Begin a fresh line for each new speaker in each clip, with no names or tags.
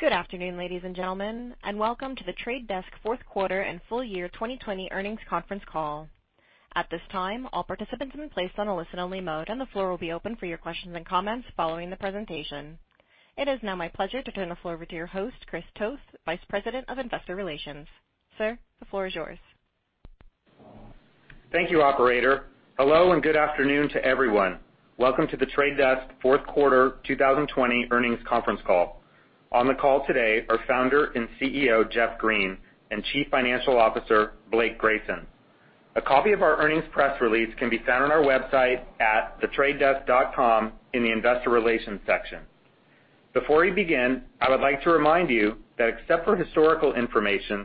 Good afternoon, ladies and gentlemen, and welcome to The Trade Desk fourth quarter and full year 2020 earnings conference call. At this time, all participants have been placed on a listen only mode, and the floor will be open for your questions and comments following the presentation. It is now my pleasure to turn the floor over to your host, Chris Toth, Vice President of Investor Relations. Sir, the floor is yours.
Thank you, operator. Hello, and good afternoon to everyone. Welcome to The Trade Desk fourth quarter 2020 earnings conference call. On the call today are Founder and CEO, Jeff Green, and Chief Financial Officer, Blake Grayson. A copy of our earnings press release can be found on our website at thetradedesk.com in the investor relations section. Before we begin, I would like to remind you that except for historical information,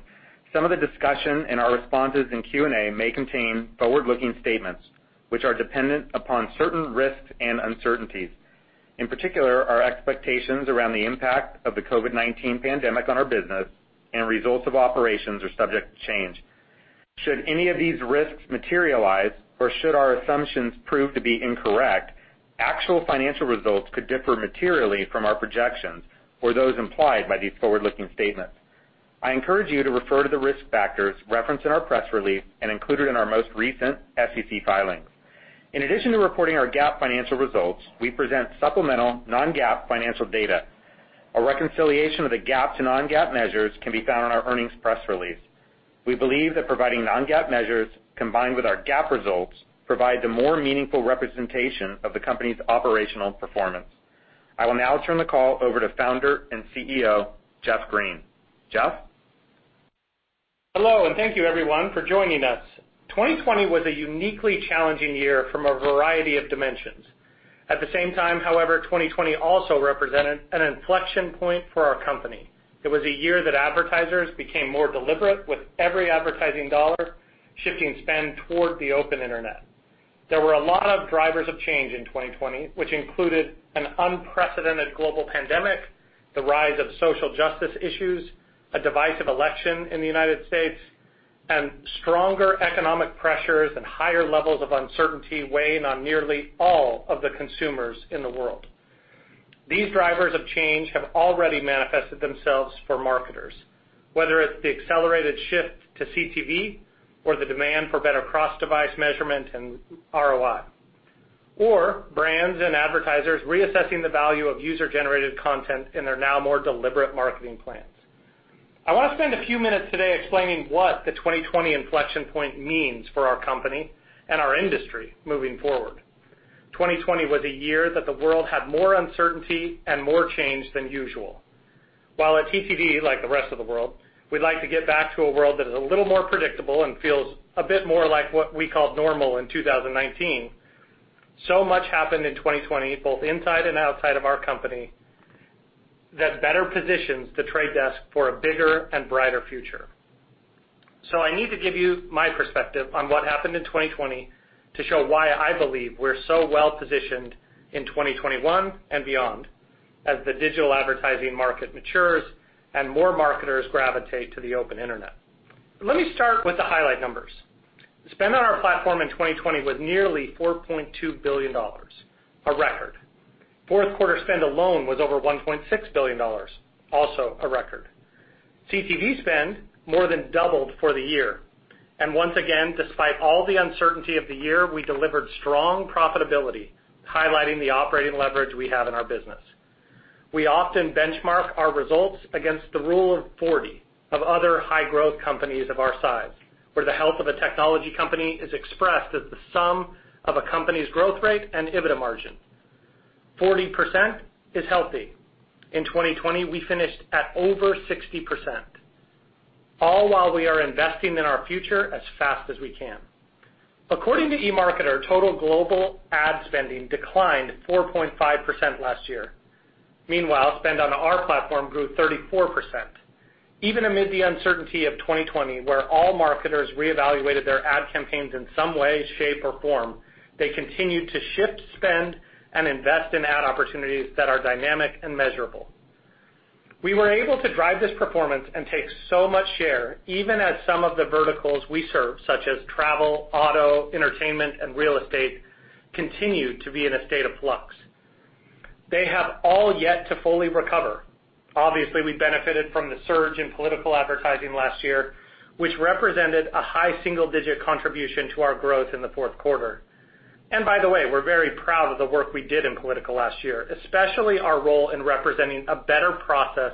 some of the discussion and our responses in Q&A may contain forward-looking statements which are dependent upon certain risks and uncertainties. In particular, our expectations around the impact of the COVID-19 pandemic on our business and results of operations are subject to change. Should any of these risks materialize, or should our assumptions prove to be incorrect, actual financial results could differ materially from our projections or those implied by these forward-looking statements. I encourage you to refer to the risk factors referenced in our press release and included in our most recent SEC filings. In addition to reporting our GAAP financial results, we present supplemental non-GAAP financial data. A reconciliation of the GAAP to non-GAAP measures can be found on our earnings press release. We believe that providing non-GAAP measures combined with our GAAP results provide the more meaningful representation of the company's operational performance. I will now turn the call over to Founder and CEO, Jeff Green. Jeff?
Hello, and thank you, everyone, for joining us. 2020 was a uniquely challenging year from a variety of dimensions. At the same time, however, 2020 also represented an inflection point for our company. It was a year that advertisers became more deliberate with every advertising dollar, shifting spend toward the open internet. There were a lot of drivers of change in 2020, which included an unprecedented global pandemic, the rise of social justice issues, a divisive election in the U.S., and stronger economic pressures and higher levels of uncertainty weighing on nearly all of the consumers in the world. These drivers of change have already manifested themselves for marketers, whether it's the accelerated shift to CTV or the demand for better cross-device measurement and ROI, or brands and advertisers reassessing the value of user-generated content in their now more deliberate marketing plans. I want to spend a few minutes today explaining what the 2020 inflection point means for our company and our industry moving forward. 2020 was a year that the world had more uncertainty and more change than usual. While at TTD, like the rest of the world, we'd like to get back to a world that is a little more predictable and feels a bit more like what we called normal in 2019, so much happened in 2020, both inside and outside of our company, that better positions The Trade Desk for a bigger and brighter future. I need to give you my perspective on what happened in 2020 to show why I believe we're so well-positioned in 2021 and beyond as the digital advertising market matures and more marketers gravitate to the open internet. Let me start with the highlight numbers. Spend on our platform in 2020 was nearly $4.2 billion, a record. Fourth quarter spend alone was over $1.6 billion, also a record. CTV spend more than doubled for the year. Once again, despite all the uncertainty of the year, we delivered strong profitability, highlighting the operating leverage we have in our business. We often benchmark our results against the rule of 40 of other high-growth companies of our size, where the health of a technology company is expressed as the sum of a company's growth rate and EBITDA margin. 40% is healthy. In 2020, we finished at over 60%, all while we are investing in our future as fast as we can. According to eMarketer, total global ad spending declined 4.5% last year. Meanwhile, spend on our platform grew 34%. Even amid the uncertainty of 2020, where all marketers reevaluated their ad campaigns in some way, shape, or form, they continued to shift spend and invest in ad opportunities that are dynamic and measurable. We were able to drive this performance and take so much share, even as some of the verticals we serve, such as travel, auto, entertainment, and real estate, continued to be in a state of flux. They have all yet to fully recover. Obviously, we benefited from the surge in political advertising last year, which represented a high single-digit contribution to our growth in the fourth quarter. By the way, we're very proud of the work we did in political last year, especially our role in representing a better process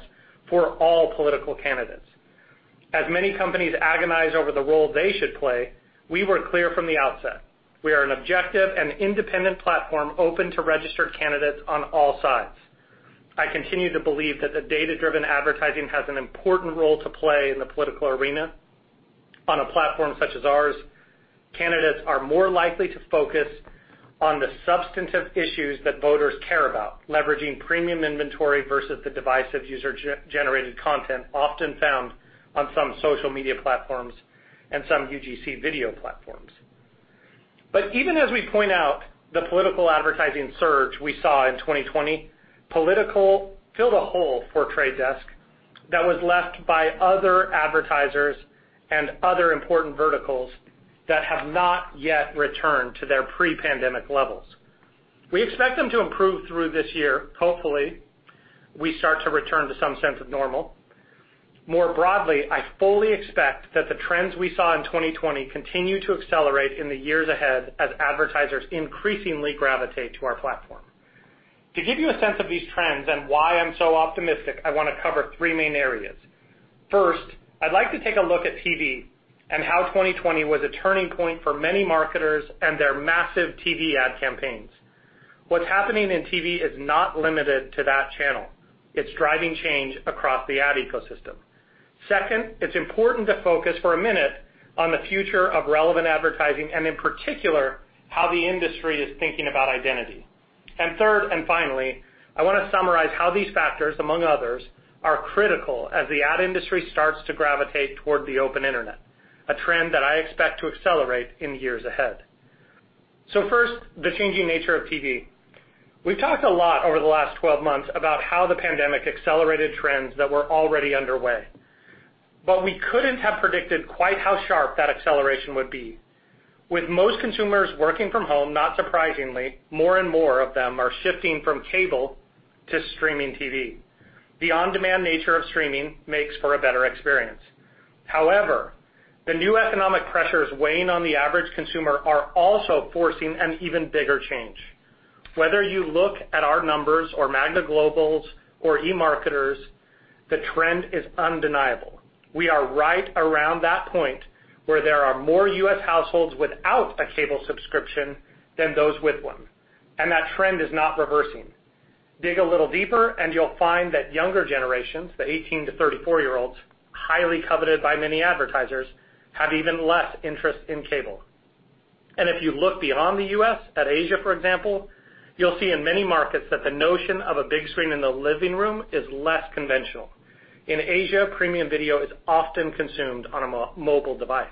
for all political candidates. As many companies agonize over the role they should play, we were clear from the outset. We are an objective and independent platform open to registered candidates on all sides. I continue to believe that the data-driven advertising has an important role to play in the political arena. On a platform such as ours, candidates are more likely to focus on the substantive issues that voters care about, leveraging premium inventory versus the divisive user-generated content often found on some social media platforms and some UGC video platforms. Even as we point out the political advertising surge we saw in 2020, political filled a hole for The Trade Desk that was left by other advertisers and other important verticals that have not yet returned to their pre-pandemic levels. We expect them to improve through this year. Hopefully, we start to return to some sense of normal. More broadly, I fully expect that the trends we saw in 2020 continue to accelerate in the years ahead as advertisers increasingly gravitate to our platform. To give you a sense of these trends and why I'm so optimistic, I want to cover three main areas. First, I'd like to take a look at TV and how 2020 was a turning point for many marketers and their massive TV ad campaigns. What's happening in TV is not limited to that channel. It's driving change across the ad ecosystem. Second, it's important to focus for a minute on the future of relevant advertising and, in particular, how the industry is thinking about identity. Third, and finally, I want to summarize how these factors, among others, are critical as the ad industry starts to gravitate toward the open internet, a trend that I expect to accelerate in the years ahead. First, the changing nature of TV. We've talked a lot over the last 12 months about how the pandemic accelerated trends that were already underway, but we couldn't have predicted quite how sharp that acceleration would be. With most consumers working from home, not surprisingly, more and more of them are shifting from cable to streaming TV. The on-demand nature of streaming makes for a better experience. However, the new economic pressures weighing on the average consumer are also forcing an even bigger change. Whether you look at our numbers or Magna Global's or eMarketer's, the trend is undeniable. We are right around that point where there are more U.S. households without a cable subscription than those with one, and that trend is not reversing. Dig a little deeper, you'll find that younger generations, the 18 to 34-year-olds, highly coveted by many advertisers, have even less interest in cable. If you look beyond the U.S., at Asia, for example, you'll see in many markets that the notion of a big screen in the living room is less conventional. In Asia, premium video is often consumed on a mobile device.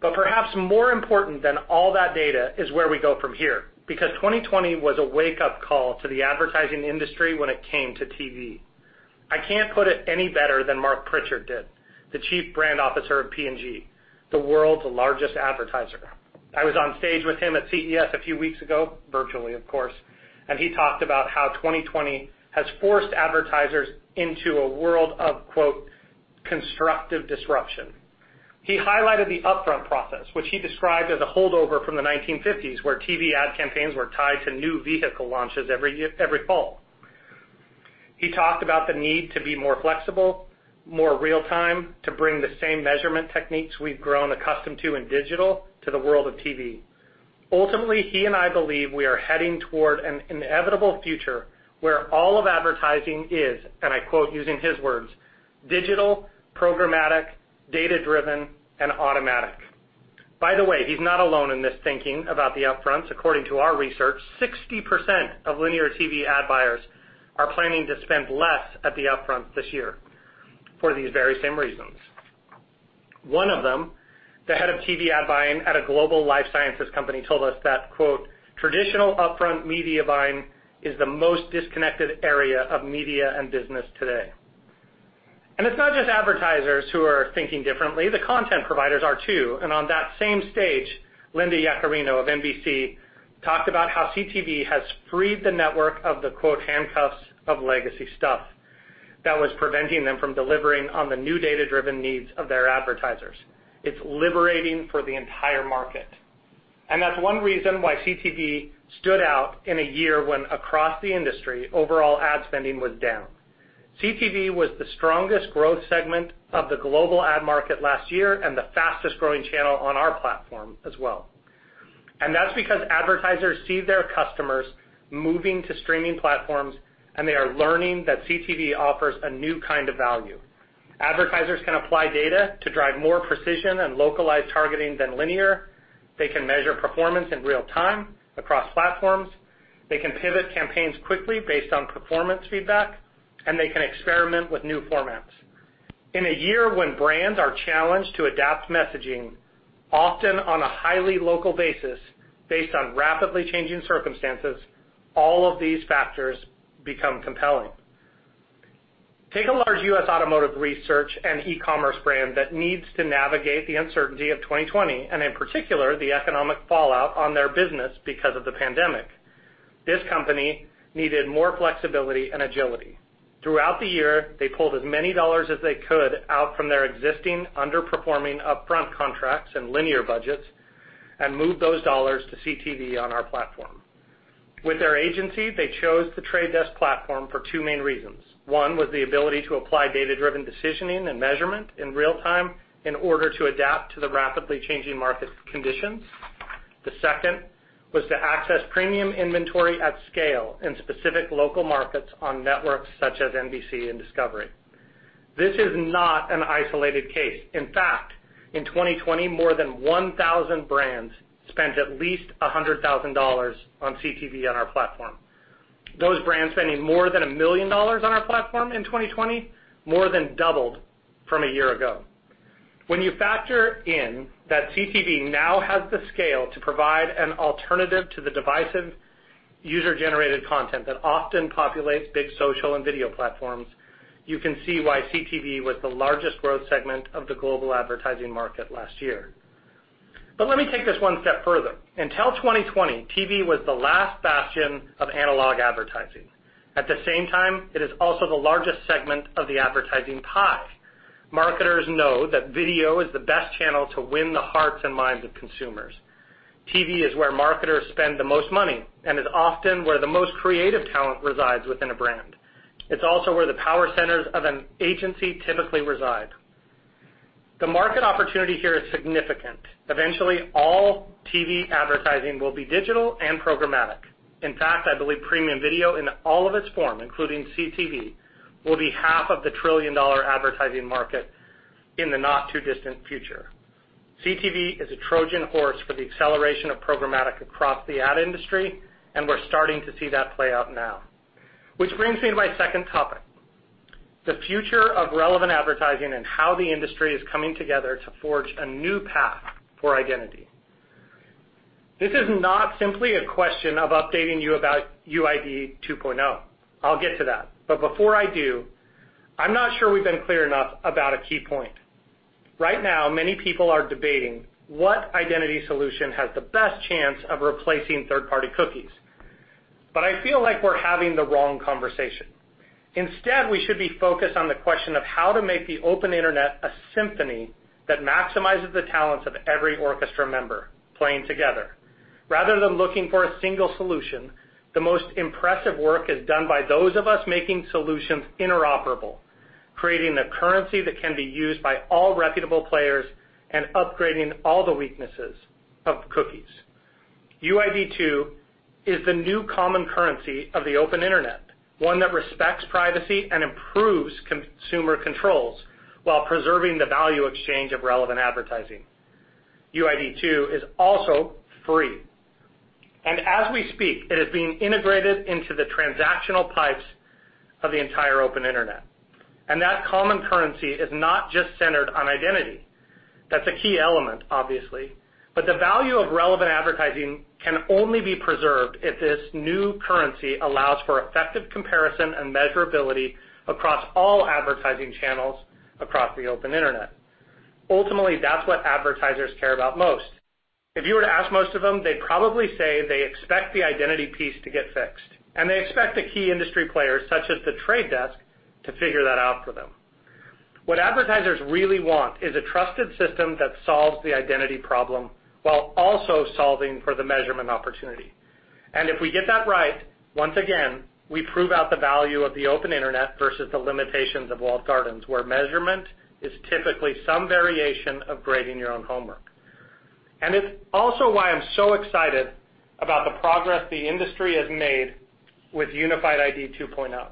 Perhaps more important than all that data is where we go from here, because 2020 was a wake-up call to the advertising industry when it came to TV. I can't put it any better than Marc Pritchard did, the Chief Brand Officer of P&G, the world's largest advertiser. I was on stage with him at CES a few weeks ago, virtually of course, and he talked about how 2020 has forced advertisers into a world of, quote, "constructive disruption." He highlighted the upfront process, which he described as a holdover from the 1950s, where TV ad campaigns were tied to new vehicle launches every fall. He talked about the need to be more flexible, more real-time, to bring the same measurement techniques we've grown accustomed to in digital to the world of TV. Ultimately, he and I believe we are heading toward an inevitable future where all of advertising is, and I quote using his words, "digital, programmatic, data-driven, and automatic." By the way, he's not alone in this thinking about the upfronts. According to our research, 60% of linear TV ad buyers are planning to spend less at the upfront this year for these very same reasons. One of them, the head of TV ad buying at a global life sciences company, told us that, quote, "Traditional upfront media buying is the most disconnected area of media and business today." It's not just advertisers who are thinking differently. The content providers are too. On that same stage, Linda Yaccarino of NBC talked about how CTV has freed the network of the, quote, "handcuffs of legacy stuff" that was preventing them from delivering on the new data-driven needs of their advertisers. It's liberating for the entire market. That's one reason why CTV stood out in a year when across the industry, overall ad spending was down. CTV was the strongest growth segment of the global ad market last year and the fastest-growing channel on our platform as well. That's because advertisers see their customers moving to streaming platforms, and they are learning that CTV offers a new kind of value. Advertisers can apply data to drive more precision and localized targeting than linear, they can measure performance in real time across platforms, they can pivot campaigns quickly based on performance feedback, and they can experiment with new formats. In a year when brands are challenged to adapt messaging, often on a highly local basis based on rapidly changing circumstances, all of these factors become compelling. Take a large U.S. automotive research and e-commerce brand that needs to navigate the uncertainty of 2020, and in particular, the economic fallout on their business because of the pandemic. This company needed more flexibility and agility. Throughout the year, they pulled as many dollars as they could out from their existing underperforming upfront contracts and linear budgets and moved those dollars to CTV on our platform. With their agency, they chose The Trade Desk platform for two main reasons. One was the ability to apply data-driven decisioning and measurement in real time in order to adapt to the rapidly changing market conditions. The second was to access premium inventory at scale in specific local markets on networks such as NBC and Discovery. This is not an isolated case. In fact, in 2020, more than 1,000 brands spent at least $100,000 on CTV on our platform. Those brands spending more than $1 million on our platform in 2020 more than doubled from a year ago. When you factor in that CTV now has the scale to provide an alternative to the divisive user-generated content that often populates big social and video platforms, you can see why CTV was the largest growth segment of the global advertising market last year. Let me take this one step further. Until 2020, TV was the last bastion of analog advertising. At the same time, it is also the largest segment of the advertising pie. Marketers know that video is the best channel to win the hearts and minds of consumers. TV is where marketers spend the most money and is often where the most creative talent resides within a brand. It's also where the power centers of an agency typically reside. The market opportunity here is significant. Eventually, all TV advertising will be digital and programmatic. In fact, I believe premium video in all of its form, including CTV, will be half of the trillion-dollar advertising market in the not-too-distant future. CTV is a Trojan horse for the acceleration of programmatic across the ad industry, and we're starting to see that play out now. Which brings me to my second topic, the future of relevant advertising and how the industry is coming together to forge a new path for identity. This is not simply a question of updating you about Unified ID 2.0. I'll get to that, but before I do, I'm not sure we've been clear enough about a key point. Right now, many people are debating what identity solution has the best chance of replacing third-party cookies. I feel like we're having the wrong conversation. Instead, we should be focused on the question of how to make the open internet a symphony that maximizes the talents of every orchestra member playing together. Rather than looking for a single solution, the most impressive work is done by those of us making solutions interoperable, creating the currency that can be used by all reputable players, and upgrading all the weaknesses of cookies. UID 2 is the new common currency of the open internet, one that respects privacy and improves consumer controls while preserving the value exchange of relevant advertising. UID 2 is also free. As we speak, it is being integrated into the transactional pipes of the entire open internet. That common currency is not just centered on identity. That's a key element, obviously. The value of relevant advertising can only be preserved if this new currency allows for effective comparison and measurability across all advertising channels across the open internet. Ultimately, that's what advertisers care about most. If you were to ask most of them, they'd probably say they expect the identity piece to get fixed, and they expect the key industry players, such as The Trade Desk, to figure that out for them. What advertisers really want is a trusted system that solves the identity problem while also solving for the measurement opportunity. If we get that right, once again, we prove out the value of the open internet versus the limitations of walled gardens, where measurement is typically some variation of grading your own homework. It's also why I'm so excited about the progress the industry has made with Unified ID 2.0.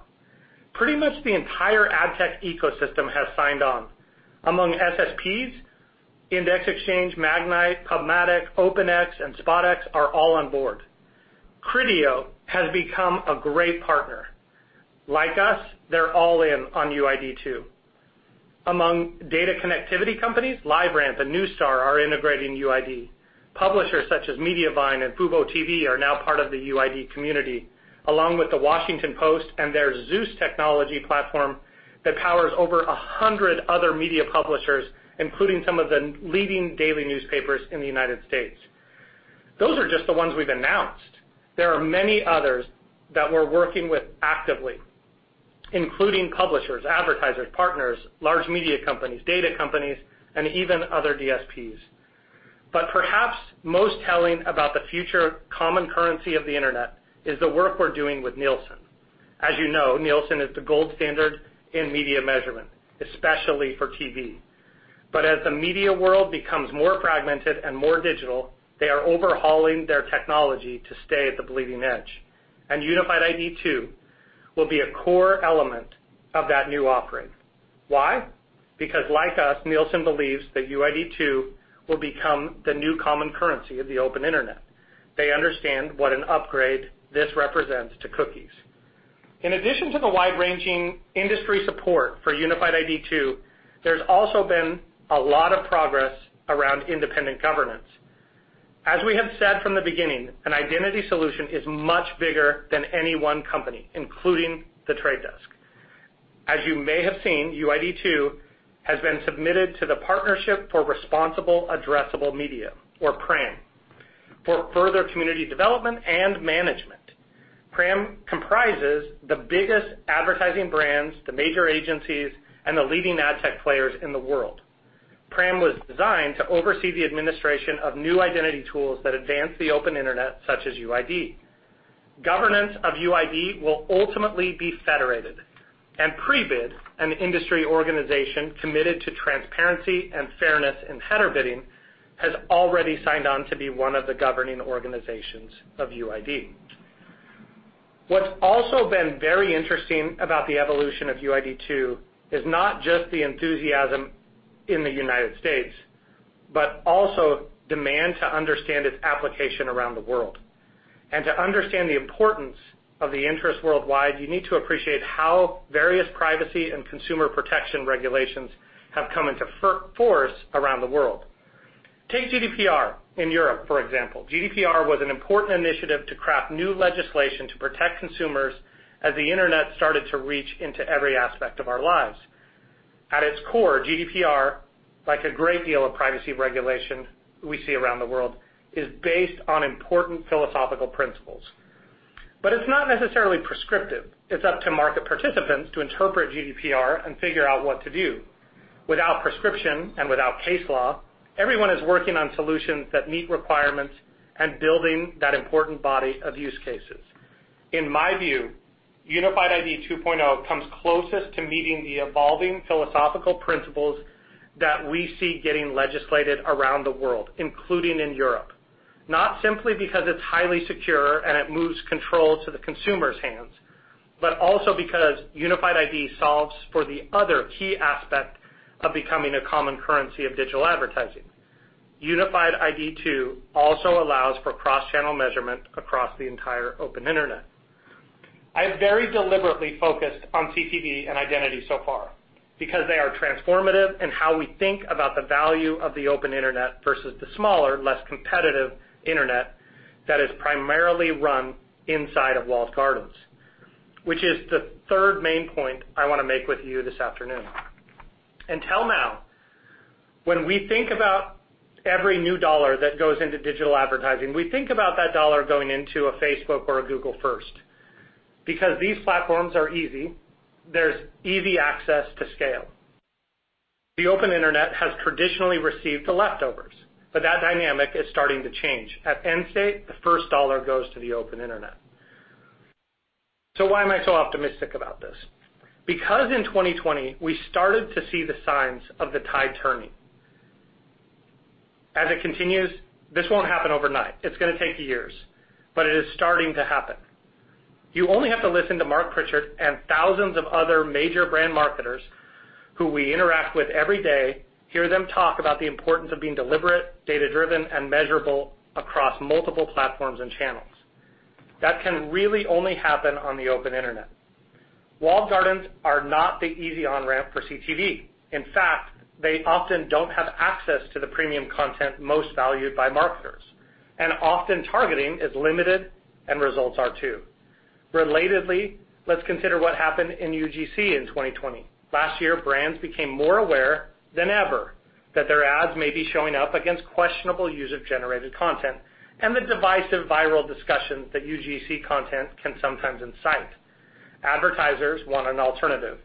Pretty much the entire ad tech ecosystem has signed on. Among SSPs, Index Exchange, Magnite, PubMatic, OpenX, and SpotX are all on board. Criteo has become a great partner. Like us, they're all in on UID 2. Among data connectivity companies, LiveRamp and Neustar are integrating UID. Publishers such as Mediavine and FuboTV are now part of the UID community, along with The Washington Post and their Zeus technology platform that powers over 100 other media publishers, including some of the leading daily newspapers in the United States. Those are just the ones we've announced. There are many others that we're working with actively, including publishers, advertisers, partners, large media companies, data companies, and even other DSPs. Perhaps most telling about the future common currency of the internet is the work we're doing with Nielsen. As you know, Nielsen is the gold standard in media measurement, especially for TV. As the media world becomes more fragmented and more digital, they are overhauling their technology to stay at the bleeding edge. Unified ID 2 will be a core element of that new operate. Why? Because like us, Nielsen believes that UID 2 will become the new common currency of the open internet. They understand what an upgrade this represents to cookies. In addition to the wide-ranging industry support for Unified ID 2, there's also been a lot of progress around independent governance. As we have said from the beginning, an identity solution is much bigger than any one company, including The Trade Desk. As you may have seen, UID 2 has been submitted to the Partnership for Responsible Addressable Media, or PRAM, for further community development and management. PRAM comprises the biggest advertising brands, the major agencies, and the leading ad tech players in the world. PRAM was designed to oversee the administration of new identity tools that advance the open internet, such as UID. Governance of UID will ultimately be federated and Prebid, an industry organization committed to transparency and fairness in header bidding, has already signed on to be one of the governing organizations of UID. What's also been very interesting about the evolution of UID 2 is not just the enthusiasm in the United States. Also demand to understand its application around the world. To understand the importance of the interest worldwide, you need to appreciate how various privacy and consumer protection regulations have come into force around the world. Take GDPR in Europe, for example. GDPR was an important initiative to craft new legislation to protect consumers as the internet started to reach into every aspect of our lives. At its core, GDPR, like a great deal of privacy regulation we see around the world, is based on important philosophical principles. It's not necessarily prescriptive. It's up to market participants to interpret GDPR and figure out what to do. Without prescription and without case law, everyone is working on solutions that meet requirements and building that important body of use cases. In my view, Unified ID 2.0 comes closest to meeting the evolving philosophical principles that we see getting legislated around the world, including in Europe. Not simply because it's highly secure and it moves control to the consumer's hands, but also because Unified ID solves for the other key aspect of becoming a common currency of digital advertising. Unified ID 2 also allows for cross-channel measurement across the entire open internet. I have very deliberately focused on CTV and identity so far because they are transformative in how we think about the value of the open internet versus the smaller, less competitive internet that is primarily run inside of walled gardens, which is the third main point I want to make with you this afternoon. Until now, when we think about every new dollar that goes into digital advertising, we think about that dollar going into a Facebook or a Google first, because these platforms are easy. There's easy access to scale. The open internet has traditionally received the leftovers, that dynamic is starting to change. At end state, the first dollar goes to the open internet. Why am I so optimistic about this? In 2020, we started to see the signs of the tide turning. As it continues, this won't happen overnight. It's going to take years, but it is starting to happen. You only have to listen to Marc Pritchard and thousands of other major brand marketers who we interact with every day, hear them talk about the importance of being deliberate, data-driven, and measurable across multiple platforms and channels. That can really only happen on the open internet. Walled gardens are not the easy on-ramp for CTV. In fact, they often don't have access to the premium content most valued by marketers. Often, targeting is limited and results are, too. Relatedly, let's consider what happened in UGC in 2020. Last year, brands became more aware than ever that their ads may be showing up against questionable user-generated content and the divisive viral discussions that UGC content can sometimes incite. Advertisers want an alternative.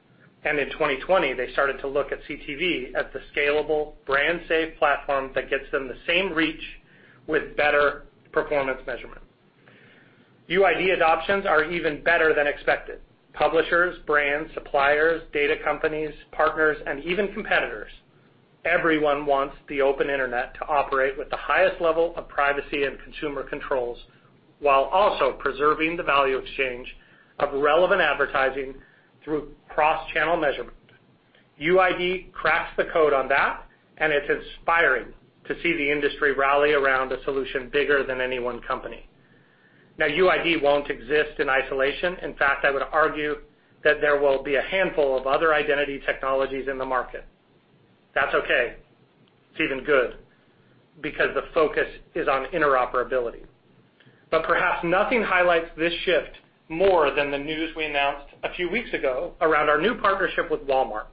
In 2020, they started to look at CTV as the scalable brand-safe platform that gets them the same reach with better performance measurement. UID adoptions are even better than expected. Publishers, brands, suppliers, data companies, partners. Even competitors, everyone wants the open internet to operate with the highest level of privacy and consumer controls, while also preserving the value exchange of relevant advertising through cross-channel measurement. UID cracks the code on that. It's inspiring to see the industry rally around a solution bigger than any one company. Now, UID won't exist in isolation. In fact, I would argue that there will be a handful of other identity technologies in the market. That's okay. It's even good because the focus is on interoperability. Perhaps nothing highlights this shift more than the news we announced a few weeks ago around our new partnership with Walmart.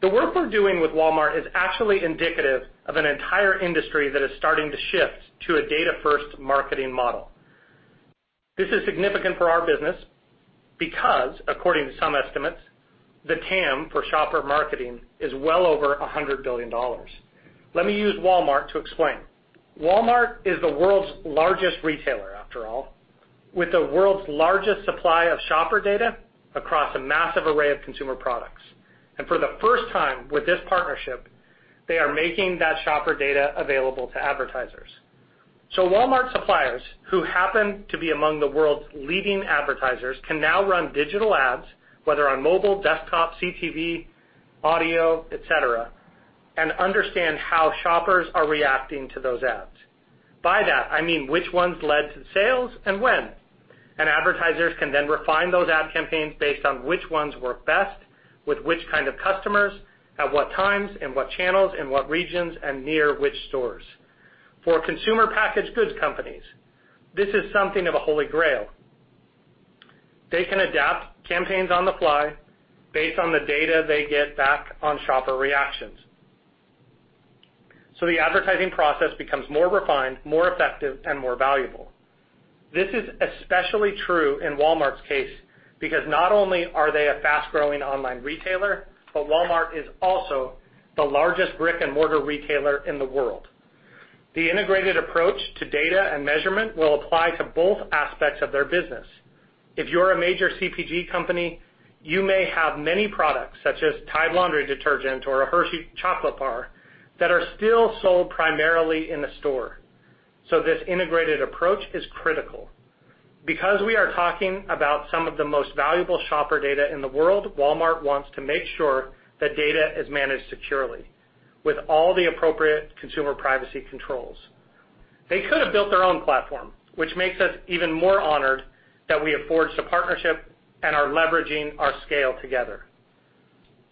The work we're doing with Walmart is actually indicative of an entire industry that is starting to shift to a data-first marketing model. This is significant for our business because according to some estimates, the TAM for shopper marketing is well over $100 billion. Let me use Walmart to explain. Walmart is the world's largest retailer after all, with the world's largest supply of shopper data across a massive array of consumer products. For the first time with this partnership, they are making that shopper data available to advertisers. Walmart suppliers, who happen to be among the world's leading advertisers, can now run digital ads, whether on mobile, desktop, CTV, audio, et cetera, and understand how shoppers are reacting to those ads. By that, I mean which ones led to sales and when. Advertisers can then refine those ad campaigns based on which ones work best with which kind of customers, at what times, in what channels, in what regions, and near which stores. For consumer packaged goods companies, this is something of a holy grail. They can adapt campaigns on the fly based on the data they get back on shopper reactions. The advertising process becomes more refined, more effective, and more valuable. This is especially true in Walmart's case because not only are they a fast-growing online retailer, but Walmart is also the largest brick-and-mortar retailer in the world. The integrated approach to data and measurement will apply to both aspects of their business. If you're a major CPG company, you may have many products such as Tide laundry detergent or a Hershey chocolate bar that are still sold primarily in the store. This integrated approach is critical. Because we are talking about some of the most valuable shopper data in the world, Walmart wants to make sure that data is managed securely with all the appropriate consumer privacy controls. They could have built their own platform, which makes us even more honored that we have forged a partnership and are leveraging our scale together.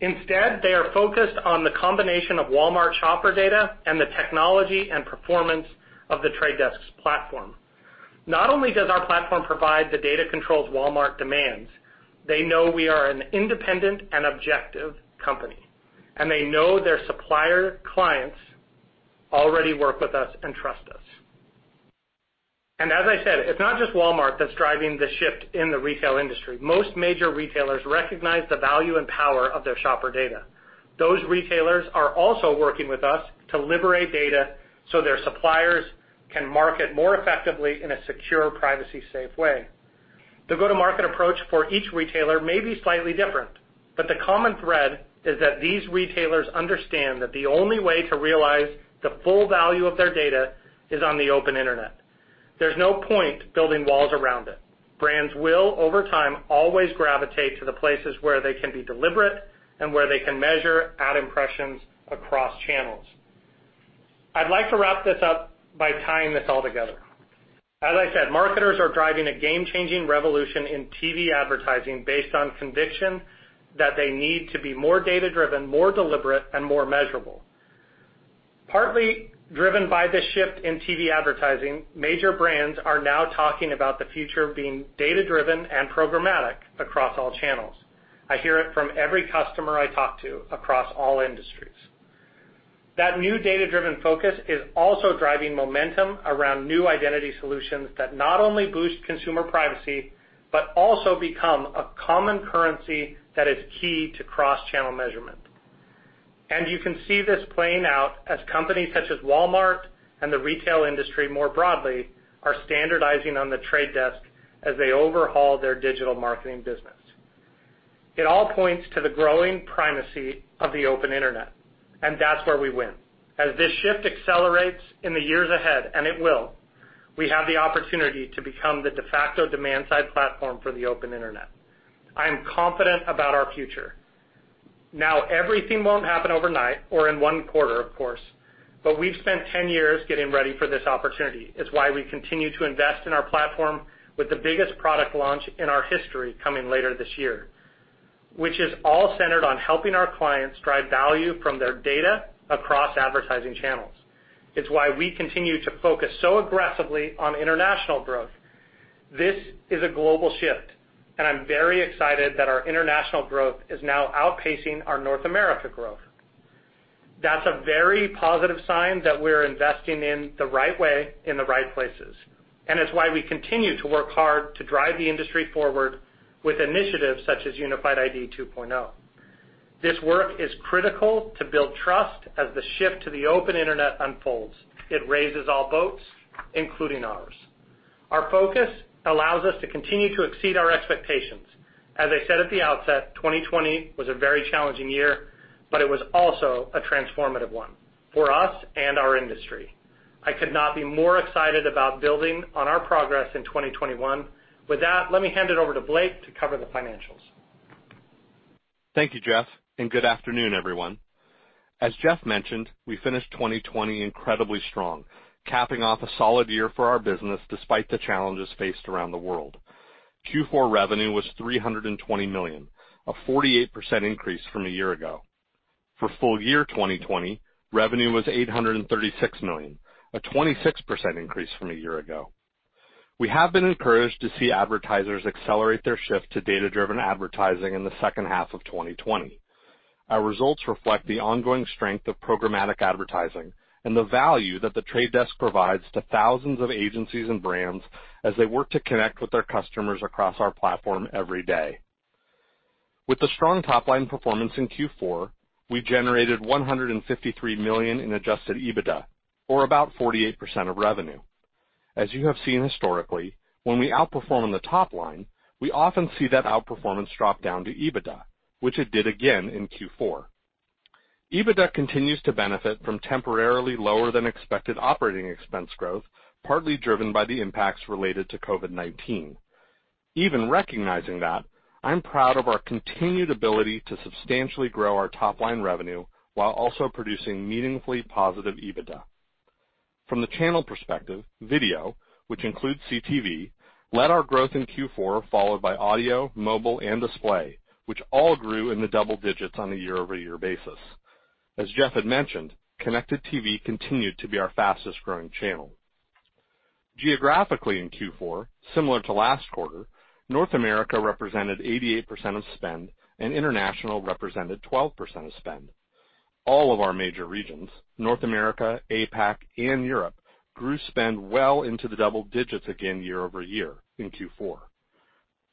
Instead, they are focused on the combination of Walmart shopper data and the technology and performance of The Trade Desk's platform. Not only does our platform provide the data controls Walmart demands, they know we are an independent and objective company, and they know their supplier clients already work with us and trust us. As I said, it's not just Walmart that's driving the shift in the retail industry. Most major retailers recognize the value and power of their shopper data. Those retailers are also working with us to liberate data so their suppliers can market more effectively in a secure privacy safe way. The go-to-market approach for each retailer may be slightly different, but the common thread is that these retailers understand that the only way to realize the full value of their data is on the open internet. There's no point building walls around it. Brands will, over time, always gravitate to the places where they can be deliberate and where they can measure ad impressions across channels. I'd like to wrap this up by tying this all together. As I said, marketers are driving a game-changing revolution in TV advertising based on conviction that they need to be more data-driven, more deliberate, and more measurable. Partly driven by this shift in TV advertising, major brands are now talking about the future being data-driven and programmatic across all channels. I hear it from every customer I talk to across all industries. That new data-driven focus is also driving momentum around new identity solutions that not only boost consumer privacy but also become a common currency that is key to cross-channel measurement. You can see this playing out as companies such as Walmart and the retail industry more broadly are standardizing on The Trade Desk as they overhaul their digital marketing business. It all points to the growing primacy of the open internet, and that's where we win. As this shift accelerates in the years ahead, and it will, we have the opportunity to become the de facto demand-side platform for the open internet. I am confident about our future. Now, everything won't happen overnight or in one quarter, of course, but we've spent 10 years getting ready for this opportunity. It's why we continue to invest in our platform with the biggest product launch in our history coming later this year, which is all centered on helping our clients drive value from their data across advertising channels. It's why we continue to focus so aggressively on international growth. This is a global shift, and I'm very excited that our international growth is now outpacing our North America growth. That's a very positive sign that we're investing in the right way in the right places, and it's why we continue to work hard to drive the industry forward with initiatives such as Unified ID 2.0. This work is critical to build trust as the shift to the open internet unfolds. It raises all boats, including ours. Our focus allows us to continue to exceed our expectations. As I said at the outset, 2020 was a very challenging year, but it was also a transformative one for us and our industry. I could not be more excited about building on our progress in 2021. With that, let me hand it over to Blake to cover the financials.
Thank you, Jeff, and good afternoon, everyone. As Jeff mentioned, we finished 2020 incredibly strong, capping off a solid year for our business despite the challenges faced around the world. Q4 revenue was $320 million, a 48% increase from a year ago. For full year 2020, revenue was $836 million, a 26% increase from a year ago. We have been encouraged to see advertisers accelerate their shift to data-driven advertising in the second half of 2020. Our results reflect the ongoing strength of programmatic advertising and the value that The Trade Desk provides to thousands of agencies and brands as they work to connect with their customers across our platform every day. With the strong top-line performance in Q4, we generated $153 million in adjusted EBITDA, or about 48% of revenue. As you have seen historically, when we outperform on the top line, we often see that outperformance drop down to EBITDA, which it did again in Q4. EBITDA continues to benefit from temporarily lower than expected operating expense growth, partly driven by the impacts related to COVID-19. Even recognizing that, I'm proud of our continued ability to substantially grow our top-line revenue while also producing meaningfully positive EBITDA. From the channel perspective, video, which includes CTV, led our growth in Q4, followed by audio, mobile, and display, which all grew in the double digits on a year-over-year basis. As Jeff had mentioned, connected TV continued to be our fastest-growing channel. Geographically in Q4, similar to last quarter, North America represented 88% of spend and international represented 12% of spend. All of our major regions, North America, APAC, and Europe, grew spend well into the double digits again year-over-year in Q4.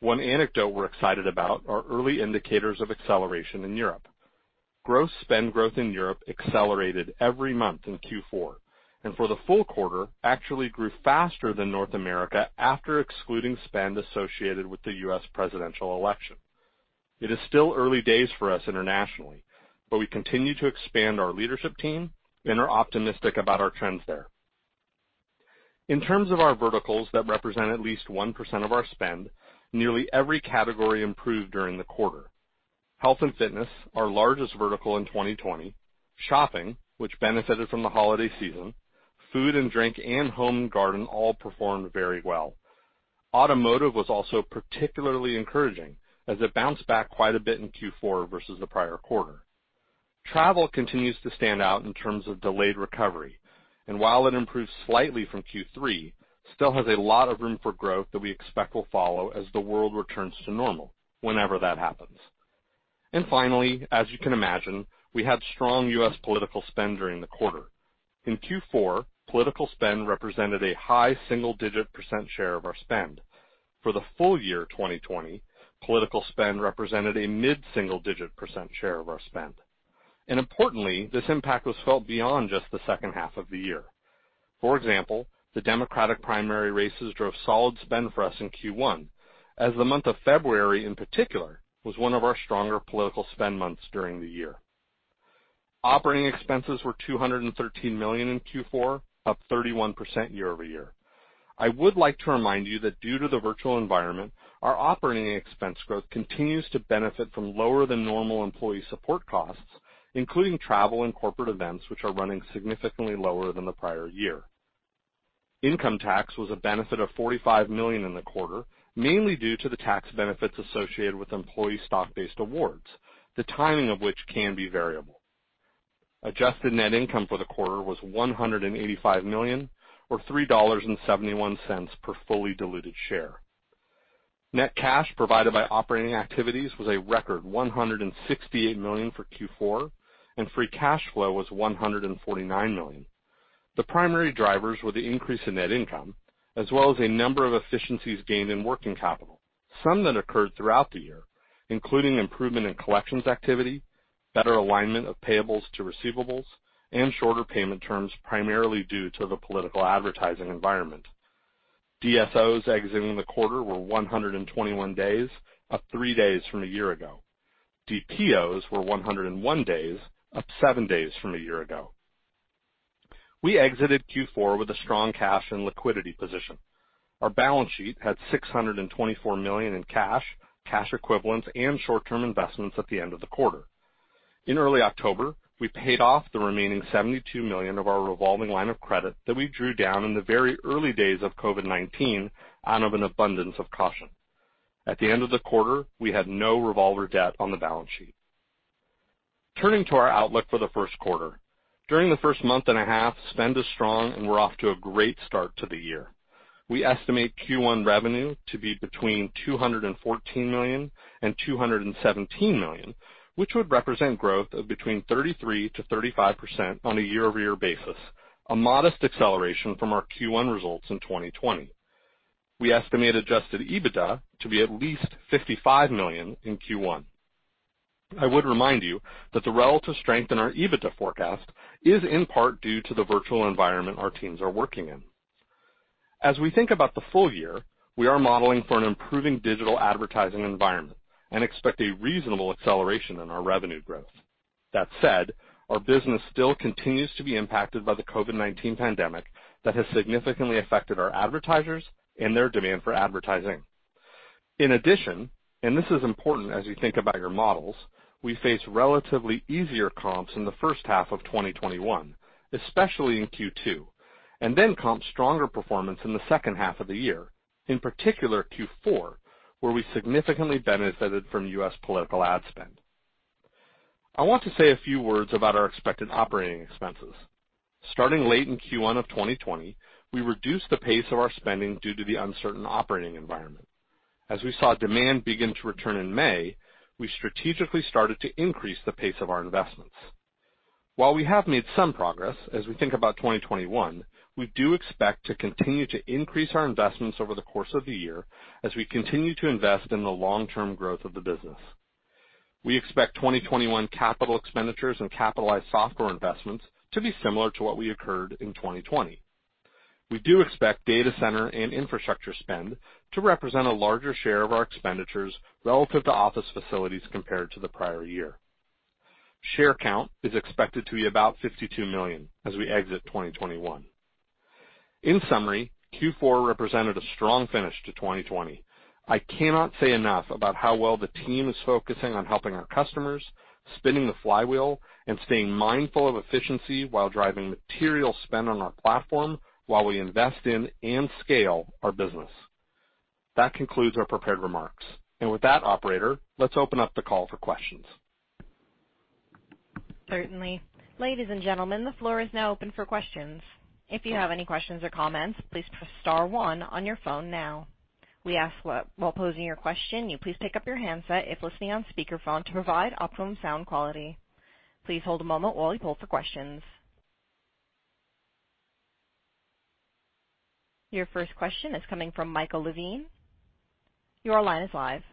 One anecdote we're excited about are early indicators of acceleration in Europe. Gross spend growth in Europe accelerated every month in Q4, and for the full quarter, actually grew faster than North America after excluding spend associated with the U.S. presidential election. It is still early days for us internationally, but we continue to expand our leadership team and are optimistic about our trends there. In terms of our verticals that represent at least 1% of our spend, nearly every category improved during the quarter. Health and fitness, our largest vertical in 2020, shopping, which benefited from the holiday season, food and drink, and home and garden all performed very well. Automotive was also particularly encouraging, as it bounced back quite a bit in Q4 versus the prior quarter. Travel continues to stand out in terms of delayed recovery, and while it improved slightly from Q3, still has a lot of room for growth that we expect will follow as the world returns to normal, whenever that happens. Finally, as you can imagine, we had strong U.S. political spend during the quarter. In Q4, political spend represented a high single-digit percent share of our spend. For the full year 2020, political spend represented a mid-single-digit percent share of our spend. Importantly, this impact was felt beyond just the second half of the year. For example, the Democratic primary races drove solid spend for us in Q1, as the month of February in particular was one of our stronger political spend months during the year. Operating expenses were $213 million in Q4, up 31% year-over-year. I would like to remind you that due to the virtual environment, our operating expense growth continues to benefit from lower than normal employee support costs, including travel and corporate events, which are running significantly lower than the prior year. Income tax was a benefit of $45 million in the quarter, mainly due to the tax benefits associated with employee stock-based awards, the timing of which can be variable. Adjusted net income for the quarter was $185 million or $3.71 per fully diluted share. Net cash provided by operating activities was a record $168 million for Q4, and free cash flow was $149 million. The primary drivers were the increase in net income, as well as a number of efficiencies gained in working capital, some that occurred throughout the year, including improvement in collections activity, better alignment of payables to receivables, and shorter payment terms, primarily due to the political advertising environment. DSOs exiting the quarter were 121 days, up three days from a year ago. DPOs were 101 days, up seven days from a year ago. We exited Q4 with a strong cash and liquidity position. Our balance sheet had $624 million in cash equivalents, and short-term investments at the end of the quarter. In early October, we paid off the remaining $72 million of our revolving line of credit that we drew down in the very early days of COVID-19 out of an abundance of caution. At the end of the quarter, we had no revolver debt on the balance sheet. Turning to our outlook for the first quarter. During the first month and a half, spend is strong, and we're off to a great start to the year. We estimate Q1 revenue to be between $214 million and $217 million, which would represent growth of between 33%-35% on a year-over-year basis, a modest acceleration from our Q1 results in 2020. We estimate adjusted EBITDA to be at least $55 million in Q1. I would remind you that the relative strength in our EBITDA forecast is in part due to the virtual environment our teams are working in. As we think about the full year, we are modeling for an improving digital advertising environment and expect a reasonable acceleration in our revenue growth. That said, our business still continues to be impacted by the COVID-19 pandemic that has significantly affected our advertisers and their demand for advertising. In addition, and this is important as you think about your models, we face relatively easier comps in the first half of 2021, especially in Q2, and then comp stronger performance in the second half of the year, in particular Q4, where we significantly benefited from U.S. political ad spend. I want to say a few words about our expected operating expenses. Starting late in Q1 of 2020, we reduced the pace of our spending due to the uncertain operating environment. As we saw demand begin to return in May, we strategically started to increase the pace of our investments. While we have made some progress, as we think about 2021, we do expect to continue to increase our investments over the course of the year as we continue to invest in the long-term growth of the business. We expect 2021 capital expenditures and capitalized software investments to be similar to what we incurred in 2020. We do expect data center and infrastructure spend to represent a larger share of our expenditures relative to office facilities compared to the prior year. Share count is expected to be about 52 million as we exit 2021. In summary, Q4 represented a strong finish to 2020. I cannot say enough about how well the team is focusing on helping our customers, spinning the flywheel, and staying mindful of efficiency while driving material spend on our platform while we invest in and scale our business. That concludes our prepared remarks. With that, operator, let's open up the call for questions.
Certainly. Ladies and gentlemen, the floor is now open for questions. If you have any questions or comments, please press star one on your phone now. We ask while posing your question, you please pick up your handset if listening on speakerphone to provide optimum sound quality. Please hold a moment while we poll for questions. Your first question is coming from Michael Levine. Your line is live.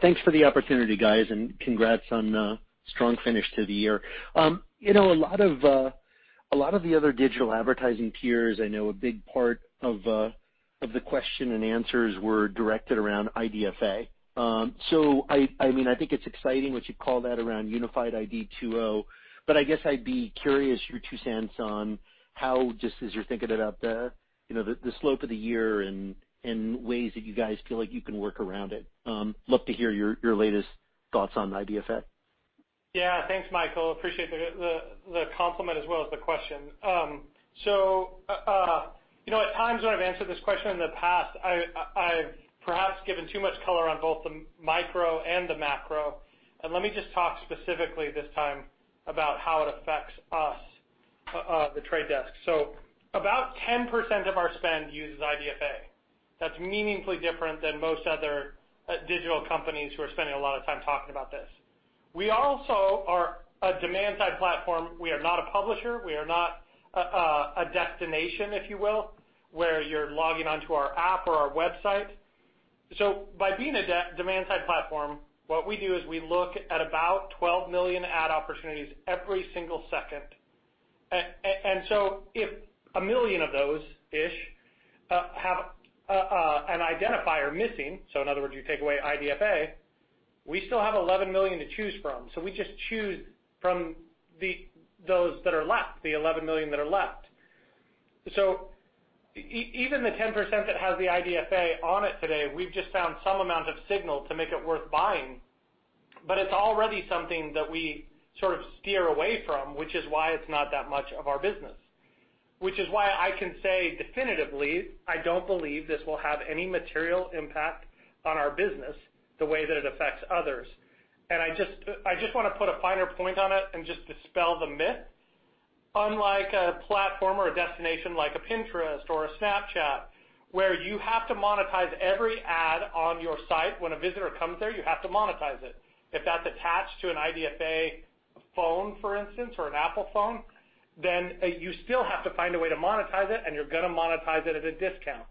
Thanks for the opportunity, guys, and congrats on a strong finish to the year. A lot of the other digital advertising peers, I know a big part of the question and answers were directed around IDFA. I think it's exciting what you call that around Unified ID 2.0, but I guess I'd be curious your $0.02 on how, just as you're thinking about the slope of the year and ways that you guys feel like you can work around it. Love to hear your latest thoughts on IDFA.
Yeah, thanks, Michael. Appreciate the compliment as well as the question. At times when I've answered this question in the past, I've perhaps given too much color on both the micro and the macro. Let me just talk specifically this time about how it affects us, The Trade Desk. About 10% of our spend uses IDFA. That's meaningfully different than most other digital companies who are spending a lot of time talking about this. We also are a demand-side platform. We are not a publisher. We are not a destination, if you will, where you're logging onto our app or our website. By being a demand-side platform, what we do is we look at about 12 million ad opportunities every single second. If a million of those-ish have an identifier missing, in other words, you take away IDFA, we still have 11 million to choose from. We just choose from those that are left, the 11 million that are left. Even the 10% that has the IDFA on it today, we've just found some amount of signal to make it worth buying, but it's already something that we sort of steer away from, which is why it's not that much of our business. I can say definitively, I don't believe this will have any material impact on our business the way that it affects others. I just want to put a finer point on it and just dispel the myth. Unlike a platform or a destination like a Pinterest or a Snapchat, where you have to monetize every ad on your site. When a visitor comes there, you have to monetize it. If that's attached to an IDFA phone, for instance, or an Apple phone, you still have to find a way to monetize it, and you're going to monetize it at a discount.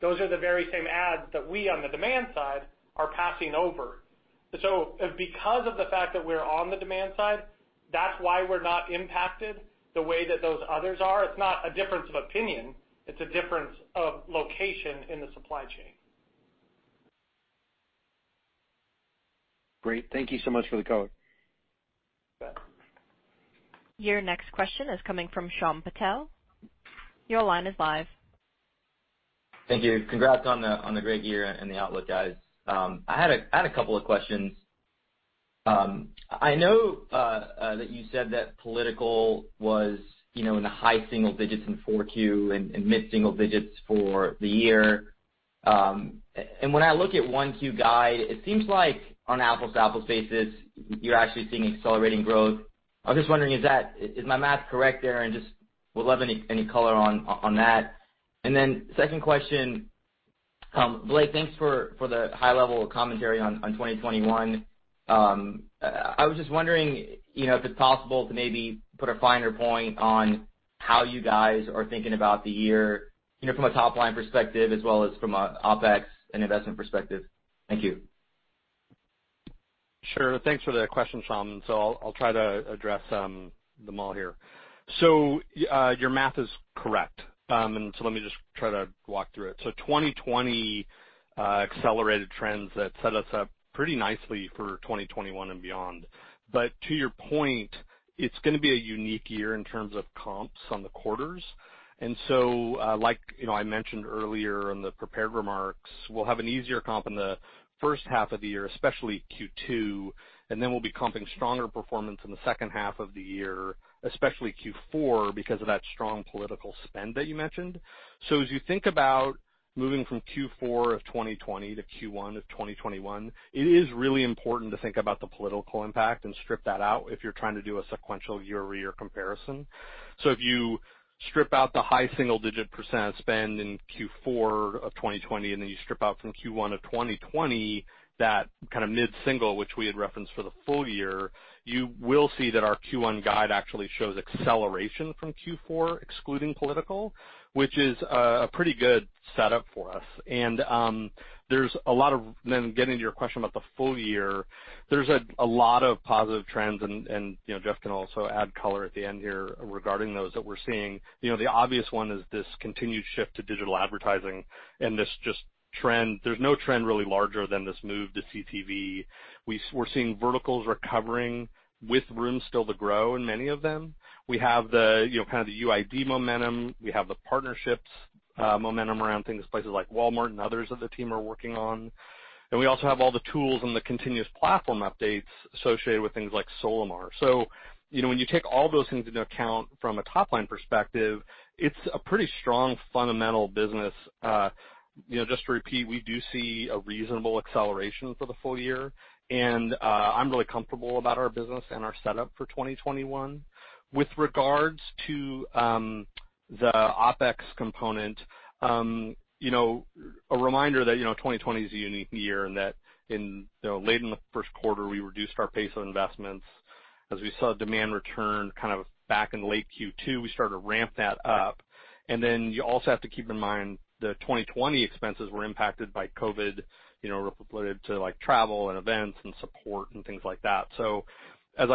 Those are the very same ads that we, on the demand side, are passing over. Because of the fact that we're on the demand side, that's why we're not impacted the way that those others are. It's not a difference of opinion, it's a difference of location in the supply chain.
Great. Thank you so much for the color.
You bet.
Your next question is coming from Shyam Patil. Your line is live.
Thank you. Congrats on the great year and the outlook, guys. I had a couple of questions. I know that you said that political was in the high single digits in 4Q and mid-single digits for the year. When I look at 1Q guide, it seems like on an apples-to-apples basis, you're actually seeing accelerating growth. I'm just wondering, is my math correct there? Just would love any color on that. Then second question, Blake, thanks for the high-level commentary on 2021. I was just wondering if it's possible to maybe put a finer point on how you guys are thinking about the year from a top-line perspective as well as from an OpEx and investment perspective. Thank you.
Sure. Thanks for the question, Shyam. I'll try to address them all here. Your math is correct. Let me just try to walk through it. 2020 accelerated trends that set us up pretty nicely for 2021 and beyond. To your point, it's going to be a unique year in terms of comps on the quarters. Like I mentioned earlier in the prepared remarks, we'll have an easier comp in the first half of the year, especially Q2, and then we'll be comping stronger performance in the second half of the year, especially Q4, because of that strong political spend that you mentioned. As you think about moving from Q4 of 2020 to Q1 of 2021, it is really important to think about the political impact and strip that out if you're trying to do a sequential year-over-year comparison. If you strip out the high single-digit percent spend in Q4 of 2020, and then you strip out from Q1 of 2020 that kind of mid-single, which we had referenced for the full year, you will see that our Q1 guide actually shows acceleration from Q4, excluding political, which is a pretty good setup for us. Getting to your question about the full year, there's a lot of positive trends, and Jeff can also add color at the end here regarding those that we're seeing. The obvious one is this continued shift to digital advertising and there's no trend really larger than this move to CTV. We're seeing verticals recovering with room still to grow in many of them. We have the kind of the UID momentum. We have the partnerships momentum around things, places like Walmart and others that the team are working on. We also have all the tools and the continuous platform updates associated with things like Solimar. When you take all those things into account from a top-line perspective, it's a pretty strong fundamental business. Just to repeat, we do see a reasonable acceleration for the full year, and I'm really comfortable about our business and our setup for 2021. With regards to the OpEx component, a reminder that 2020 is a unique year in that late in the first quarter, we reduced our pace of investments. As we saw demand return kind of back in late Q2, we started to ramp that up. You also have to keep in mind the 2020 expenses were impacted by COVID-19, related to travel and events and support and things like that. As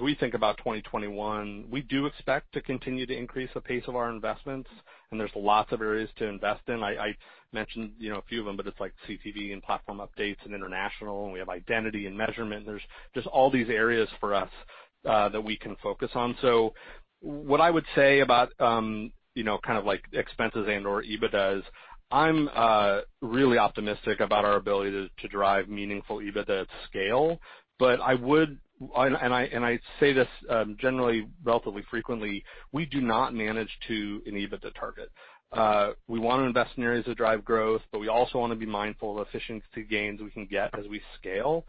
we think about 2021, we do expect to continue to increase the pace of our investments, and there's lots of areas to invest in. I mentioned a few of them, but it's like CTV and platform updates and international, and we have identity and measurement. There's just all these areas for us that we can focus on. What I would say about expenses and/or EBITDAs, I'm really optimistic about our ability to drive meaningful EBITDA at scale. I say this generally relatively frequently, we do not manage to an EBITDA target. We want to invest in areas that drive growth, but we also want to be mindful of efficiency gains we can get as we scale.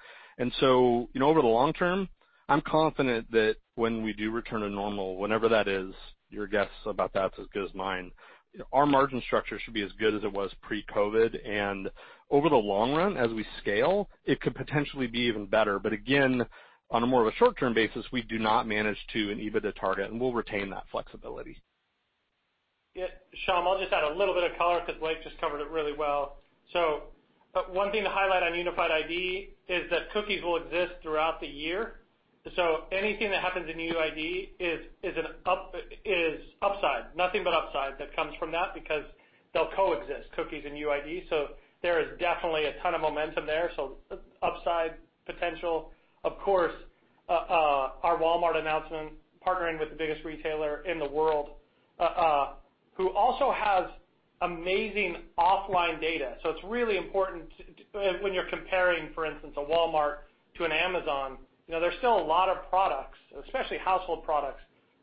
Over the long term, I'm confident that when we do return to normal, whenever that is, your guess about that is as good as mine, our margin structure should be as good as it was pre-COVID, and over the long run, as we scale, it could potentially be even better. Again, on a more of a short-term basis, we do not manage to an EBITDA target, and we'll retain that flexibility.
Yeah. Shyam, I'll just add a little bit of color because Blake just covered it really well. One thing to highlight on Unified ID is that cookies will exist throughout the year. Anything that happens in UID is upside. Nothing but upside that comes from that because they'll coexist, cookies and UID. There is definitely a ton of momentum there. Upside potential. Of course, our Walmart announcement, partnering with the biggest retailer in the world, who also has amazing offline data. It's really important when you're comparing, for instance, a Walmart to an Amazon, there's still a lot of products, especially household products,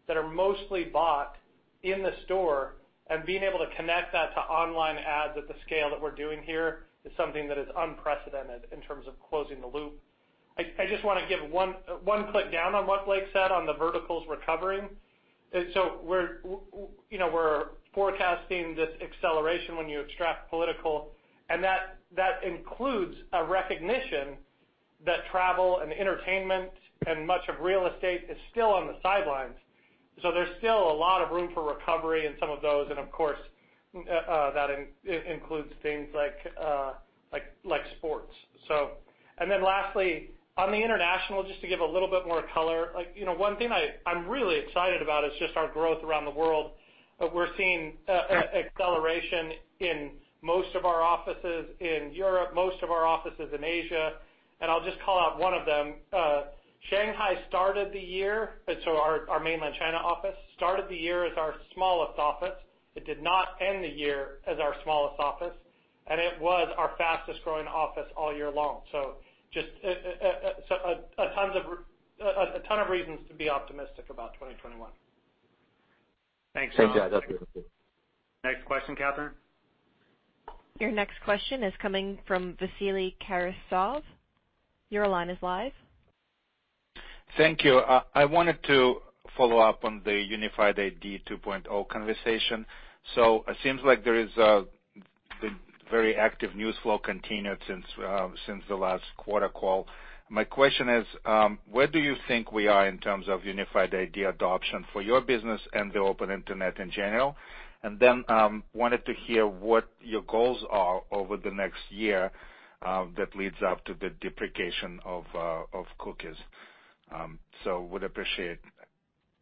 that are mostly bought in the store and being able to connect that to online ads at the scale that we're doing here is something that is unprecedented in terms of closing the loop. I just want to give one click down on what Blake said on the verticals recovering. We're forecasting this acceleration when you extract political, and that includes a recognition that travel and entertainment and much of real estate is still on the sidelines. There's still a lot of room for recovery in some of those, and of course, that includes things like sports. Lastly, on the international, just to give a little bit more color, one thing I'm really excited about is just our growth around the world. We're seeing acceleration in most of our offices in Europe, most of our offices in Asia, and I'll just call out one of them. Shanghai started the year, so our mainland China office, started the year as our smallest office. It did not end the year as our smallest office. It was our fastest-growing office all year long. Just a ton of reasons to be optimistic about 2021.
Thanks, guys. That's really good.
Next question, Catherine.
Your next question is coming from Vasily Karasyov. Your line is live.
Thank you. I wanted to follow up on the Unified ID 2.0 conversation. It seems like there is a very active news flow continued since the last quarter call. My question is, where do you think we are in terms of Unified ID adoption for your business and the open internet in general? Wanted to hear what your goals are over the next year that leads up to the deprecation of cookies. Would appreciate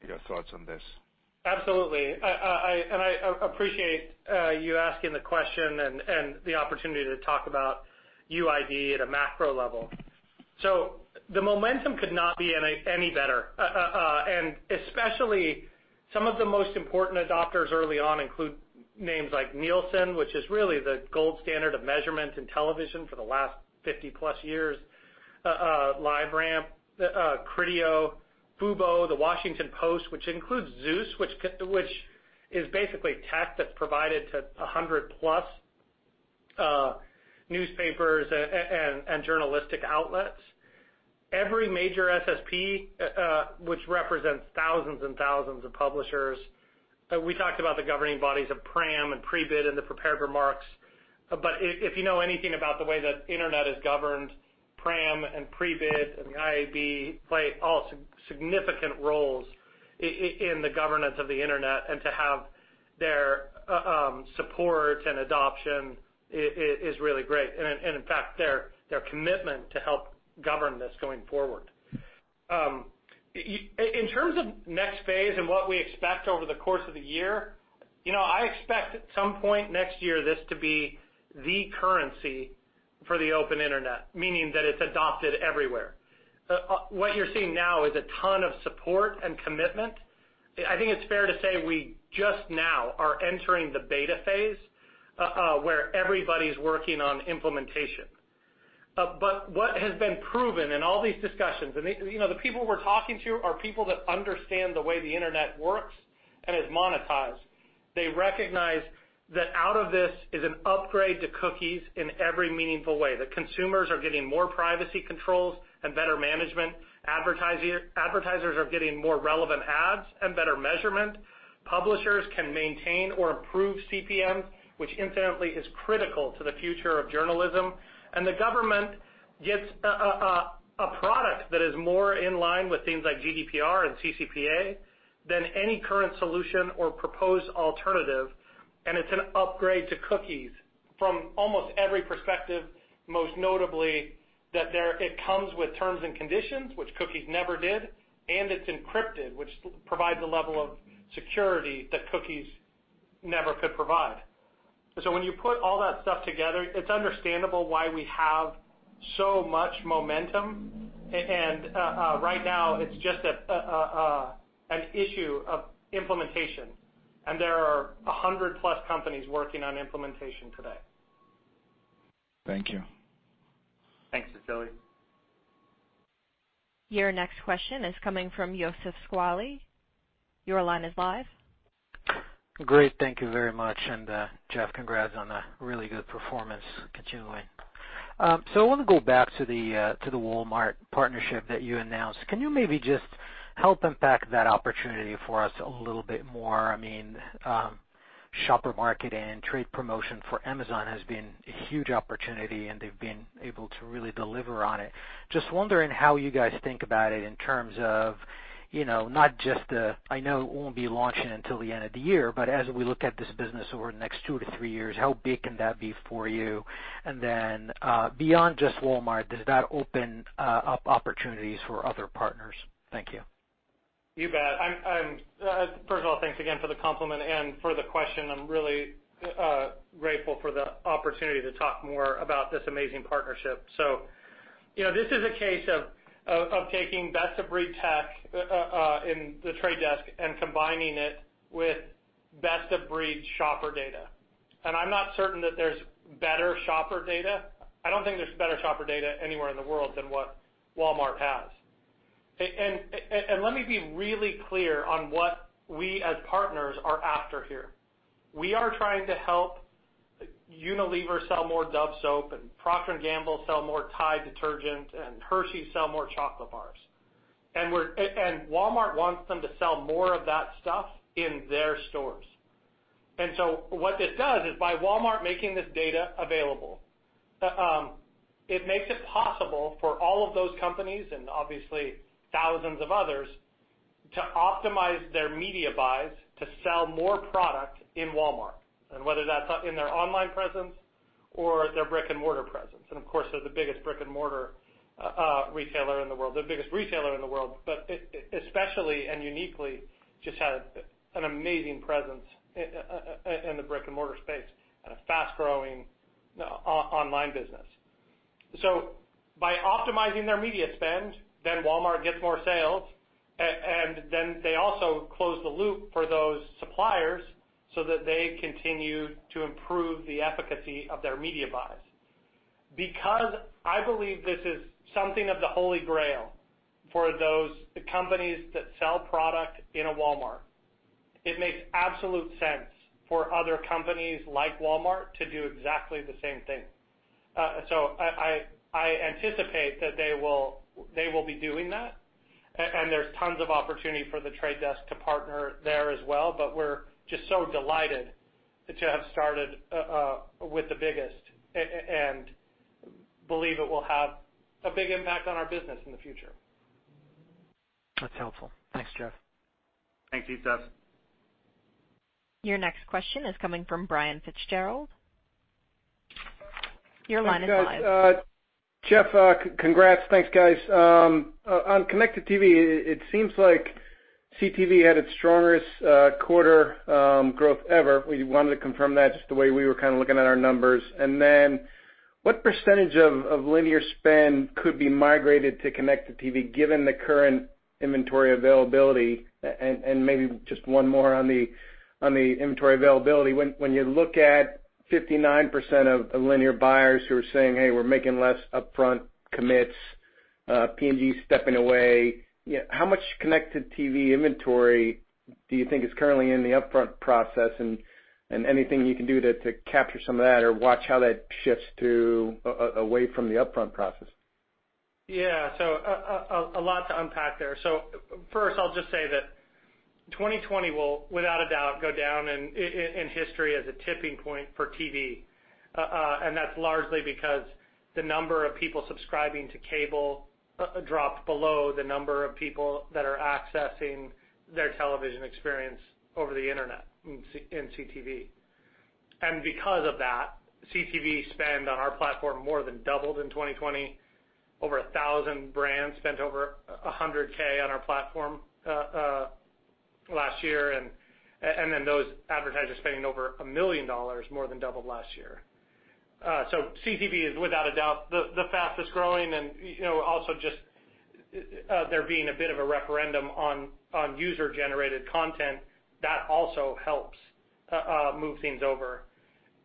your thoughts on this.
Absolutely. I appreciate you asking the question and the opportunity to talk about UID at a macro level. The momentum could not be any better. Especially some of the most important adopters early on include names like Nielsen, which is really the gold standard of measurement in television for the last 50+ years, LiveRamp, Criteo, Fubo, The Washington Post, which includes Zeus, which is basically tech that's provided to 100+ newspapers and journalistic outlets. Every major SSP, which represents thousands and thousands of publishers. We talked about the governing bodies of PRAM and Prebid in the prepared remarks. If you know anything about the way that internet is governed, PRAM and Prebid and the IAB play all significant roles in the governance of the internet, and to have their support and adoption is really great, and in fact, their commitment to help govern this going forward. In terms of next phase and what we expect over the course of the year, I expect at some point next year this to be the currency for the open internet, meaning that it's adopted everywhere. What you're seeing now is a ton of support and commitment. I think it's fair to say we just now are entering the beta phase, where everybody's working on implementation. What has been proven in all these discussions, and the people we're talking to are people that understand the way the internet works and is monetized. They recognize that out of this is an upgrade to cookies in every meaningful way. The consumers are getting more privacy controls and better management. Advertisers are getting more relevant ads and better measurement. Publishers can maintain or improve CPM, which incidentally is critical to the future of journalism. The government gets a product that is more in line with things like GDPR and CCPA than any current solution or proposed alternative, and it's an upgrade to cookies. From almost every perspective, most notably that it comes with terms and conditions, which cookies never did, and it's encrypted, which provides a level of security that cookies never could provide. When you put all that stuff together, it's understandable why we have so much momentum. Right now it's just an issue of implementation, and there are 100 plus companies working on implementation today.
Thank you.
Thanks, Vasily.
Your next question is coming from Youssef Squali. Your line is live.
Great. Thank you very much. Jeff, congrats on the really good performance continuing. I want to go back to the Walmart partnership that you announced. Can you maybe just help unpack that opportunity for us a little bit more? Shopper marketing and trade promotion for Amazon has been a huge opportunity, and they've been able to really deliver on it. Just wondering how you guys think about it in terms of not just the, I know it won't be launching until the end of the year, but as we look at this business over the next two to three years, how big can that be for you? Beyond just Walmart, does that open up opportunities for other partners? Thank you.
You bet. First of all, thanks again for the compliment and for the question. I'm really grateful for the opportunity to talk more about this amazing partnership. This is a case of taking best-of-breed tech in The Trade Desk and combining it with best-of-breed shopper data. I'm not certain that there's better shopper data. I don't think there's better shopper data anywhere in the world than what Walmart has. Let me be really clear on what we, as partners, are after here. We are trying to help Unilever sell more Dove soap and Procter & Gamble sell more Tide detergent and Hershey sell more chocolate bars. Walmart wants them to sell more of that stuff in their stores. What this does is by Walmart making this data available, it makes it possible for all of those companies, and obviously thousands of others, to optimize their media buys to sell more product in Walmart, whether that's in their online presence or their brick-and-mortar presence. Of course, they're the biggest brick-and-mortar retailer in the world, the biggest retailer in the world, but especially and uniquely just has an amazing presence in the brick-and-mortar space and a fast-growing online business. By optimizing their media spend, then Walmart gets more sales, and then they also close the loop for those suppliers so that they continue to improve the efficacy of their media buys. I believe this is something of the holy grail for those companies that sell product in a Walmart, it makes absolute sense for other companies like Walmart to do exactly the same thing. I anticipate that they will be doing that, and there's tons of opportunity for The Trade Desk to partner there as well, but we're just so delighted to have started with the biggest and believe it will have a big impact on our business in the future.
That's helpful. Thanks, Jeff.
Thanks, Youssef.
Your next question is coming from Brian Fitzgerald. Your line is live.
Jeff, congrats. Thanks, guys. On connected TV, it seems like CTV had its strongest quarter growth ever. We wanted to confirm that, just the way we were kind of looking at our numbers. What percentage of linear spend could be migrated to connected TV given the current inventory availability? Maybe just one more on the inventory availability. When you look at 59% of linear buyers who are saying, "Hey, we're making less upfront commits," P&G stepping away, how much connected TV inventory do you think is currently in the upfront process? Anything you can do to capture some of that or watch how that shifts away from the upfront process?
Yeah. A lot to unpack there. First, I'll just say that 2020 will, without a doubt, go down in history as a tipping point for TV. That's largely because the number of people subscribing to cable dropped below the number of people that are accessing their television experience over the internet in CTV. Because of that, CTV spend on our platform more than doubled in 2020. Over 1,000 brands spent over $100,000 on our platform last year. Those advertisers spending over $1 million more than doubled last year. CTV is without a doubt the fastest growing, and also just there being a bit of a referendum on user-generated content, that also helps move things over.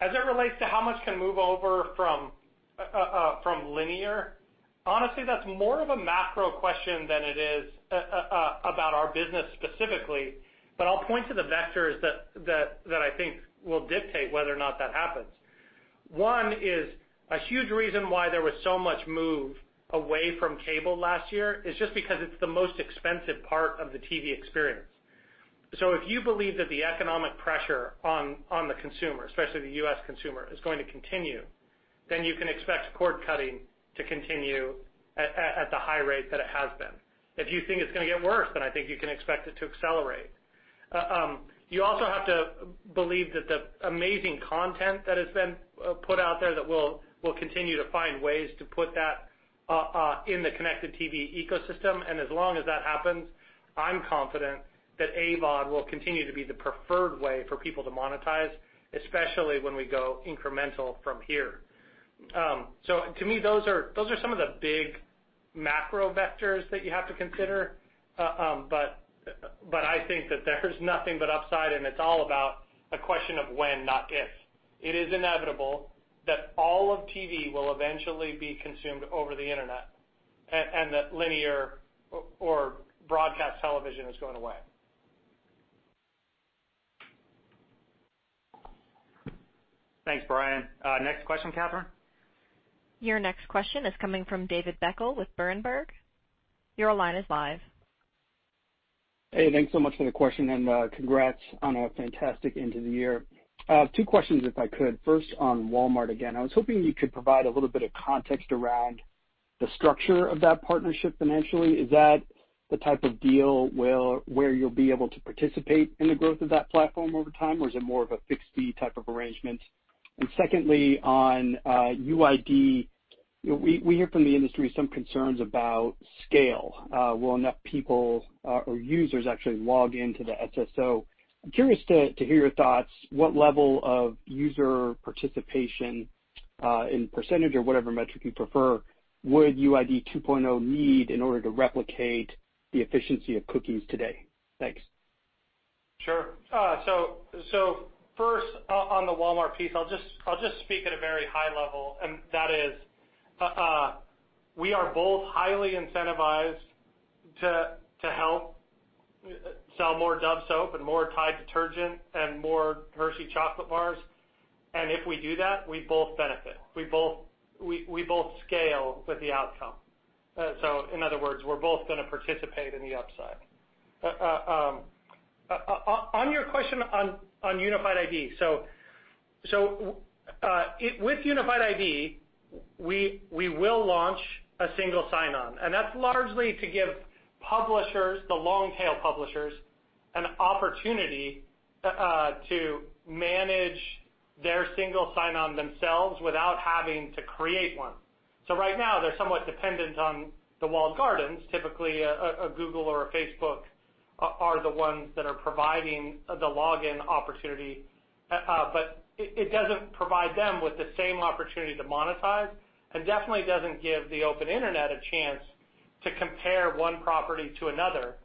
As it relates to how much can move over from linear, honestly, that's more of a macro question than it is about our business specifically, but I'll point to the vectors that I think will dictate whether or not that happens. One is a huge reason why there was so much move away from cable last year is just because it's the most expensive part of the TV experience. If you believe that the economic pressure on the consumer, especially the U.S. consumer, is going to continue. You can expect cord cutting to continue at the high rate that it has been. If you think it's going to get worse, then I think you can expect it to accelerate. You also have to believe that the amazing content that has been put out there, that we'll continue to find ways to put that in the connected TV ecosystem. As long as that happens, I'm confident that AVOD will continue to be the preferred way for people to monetize, especially when we go incremental from here. To me, those are some of the big macro vectors that you have to consider. I think that there's nothing but upside, and it's all about a question of when, not if. It is inevitable that all of TV will eventually be consumed over the Internet, and that linear or broadcast television is going away.
Thanks, Brian. Next question, Catherine.
Your next question is coming from David Beckel with Berenberg. Your line is live.
Hey, thanks so much for the question, and congrats on a fantastic end to the year. Two questions, if I could. First, on Walmart, again. I was hoping you could provide a little bit of context around the structure of that partnership financially. Is that the type of deal where you'll be able to participate in the growth of that platform over time, or is it more of a fixed-fee type of arrangement? Secondly, on UID, we hear from the industry some concerns about scale. Will enough people or users actually log into the SSO? I'm curious to hear your thoughts. What level of user participation, in percentage or whatever metric you prefer, would UID 2.0 need in order to replicate the efficiency of cookies today? Thanks.
Sure. First, on the Walmart piece, I'll just speak at a very high level, and that is, we are both highly incentivized to help sell more Dove soap and more Tide detergent and more Hershey chocolate bars. If we do that, we both benefit. We both scale with the outcome. In other words, we're both going to participate in the upside. On your question on Unified ID, with Unified ID, we will launch a single sign-on, and that's largely to give publishers, the long-tail publishers, an opportunity to manage their single sign-on themselves without having to create one. Right now, they're somewhat dependent on the walled gardens. Typically, a Google or a Facebook are the ones that are providing the login opportunity. It doesn't provide them with the same opportunity to monetize, and definitely doesn't give the open Internet a chance to compare one property to another.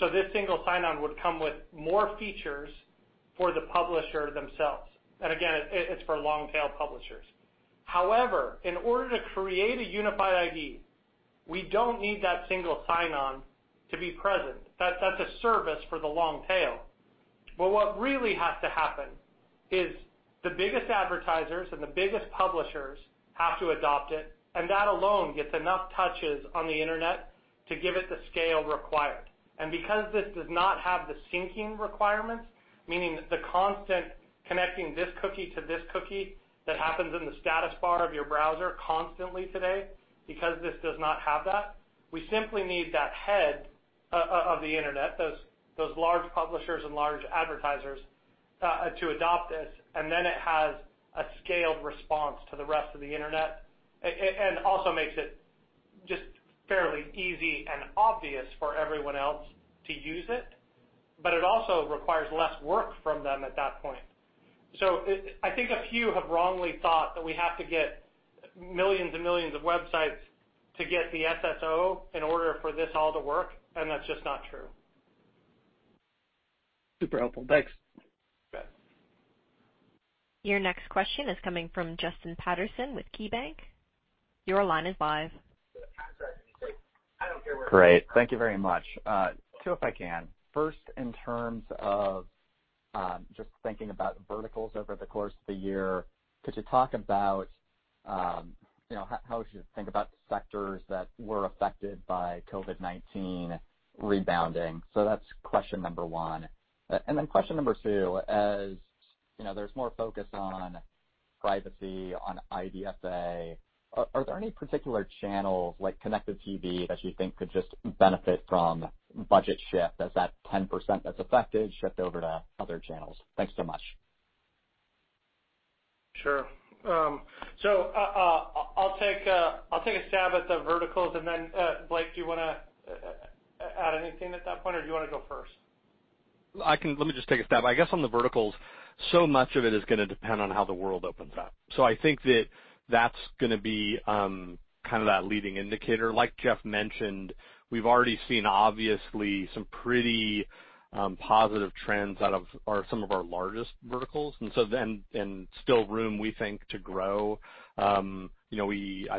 This single sign-on would come with more features for the publisher themselves. Again, it's for long-tail publishers. However, in order to create a Unified ID, we don't need that single sign-on to be present. That's a service for the long tail. What really has to happen is the biggest advertisers and the biggest publishers have to adopt it, and that alone gets enough touches on the Internet to give it the scale required. Because this does not have the syncing requirements, meaning the constant connecting this cookie to this cookie that happens in the status bar of your browser constantly today, because this does not have that, we simply need that head of the Internet, those large publishers and large advertisers, to adopt this, then it has a scaled response to the rest of the Internet. Also makes it just fairly easy and obvious for everyone else to use it. It also requires less work from them at that point. I think a few have wrongly thought that we have to get millions and millions of websites to get the SSO in order for this all to work, and that's just not true.
Super helpful. Thanks.
You bet.
Your next question is coming from Justin Patterson with KeyBanc. Your line is live.
Great. Thank you very much. Two, if I can. First, in terms of just thinking about verticals over the course of the year, could you talk about how we should think about sectors that were affected by COVID-19 rebounding? That's question number one. Question number two, as there's more focus on privacy, on IDFA, are there any particular channels, like Connected TV, that you think could just benefit from budget shift as that 10% that's affected shift over to other channels? Thanks so much.
Sure. I'll take a stab at the verticals, and then Blake, do you want to add anything at that point, or do you want to go first?
Let me just take a stab. I guess on the verticals, much of it is going to depend on how the world opens up. I think that that's going to be kind of that leading indicator. Like Jeff mentioned, we've already seen, obviously, some pretty positive trends out of some of our largest verticals, and still room, we think, to grow. I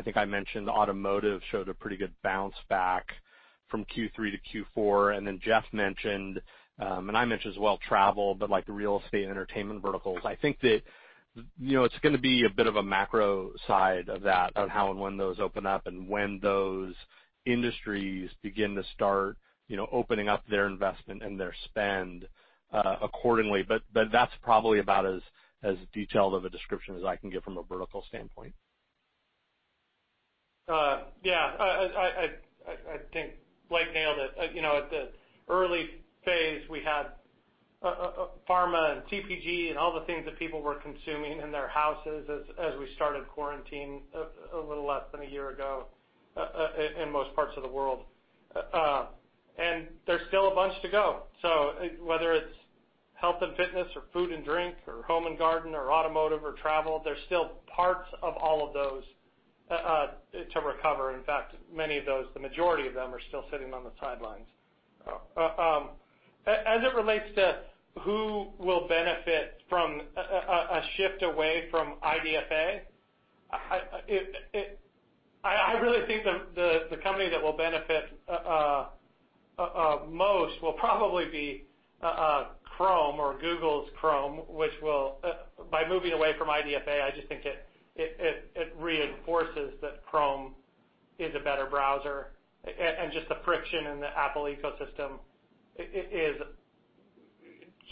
think I mentioned automotive showed a pretty good bounce back from Q3 to Q4, and then Jeff mentioned, and I mentioned as well, travel, but like the real estate and entertainment verticals. I think that it's going to be a bit of a macro side of that, of how and when those open up and when those industries begin to start opening up their investment and their spend accordingly. That's probably about as detailed of a description as I can give from a vertical standpoint.
I think Blake nailed it. At the early phase, we had pharma and CPG and all the things that people were consuming in their houses as we started quarantine a little less than one year ago in most parts of the world. There's still a bunch to go. Whether it's health and fitness or food and drink or home and garden or automotive or travel, there's still parts of all of those to recover. In fact, many of those, the majority of them, are still sitting on the sidelines. As it relates to who will benefit from a shift away from IDFA, I really think the company that will benefit most will probably be Chrome or Google's Chrome, which by moving away from IDFA, I just think it reinforces that Chrome is a better browser. Just the friction in the Apple ecosystem is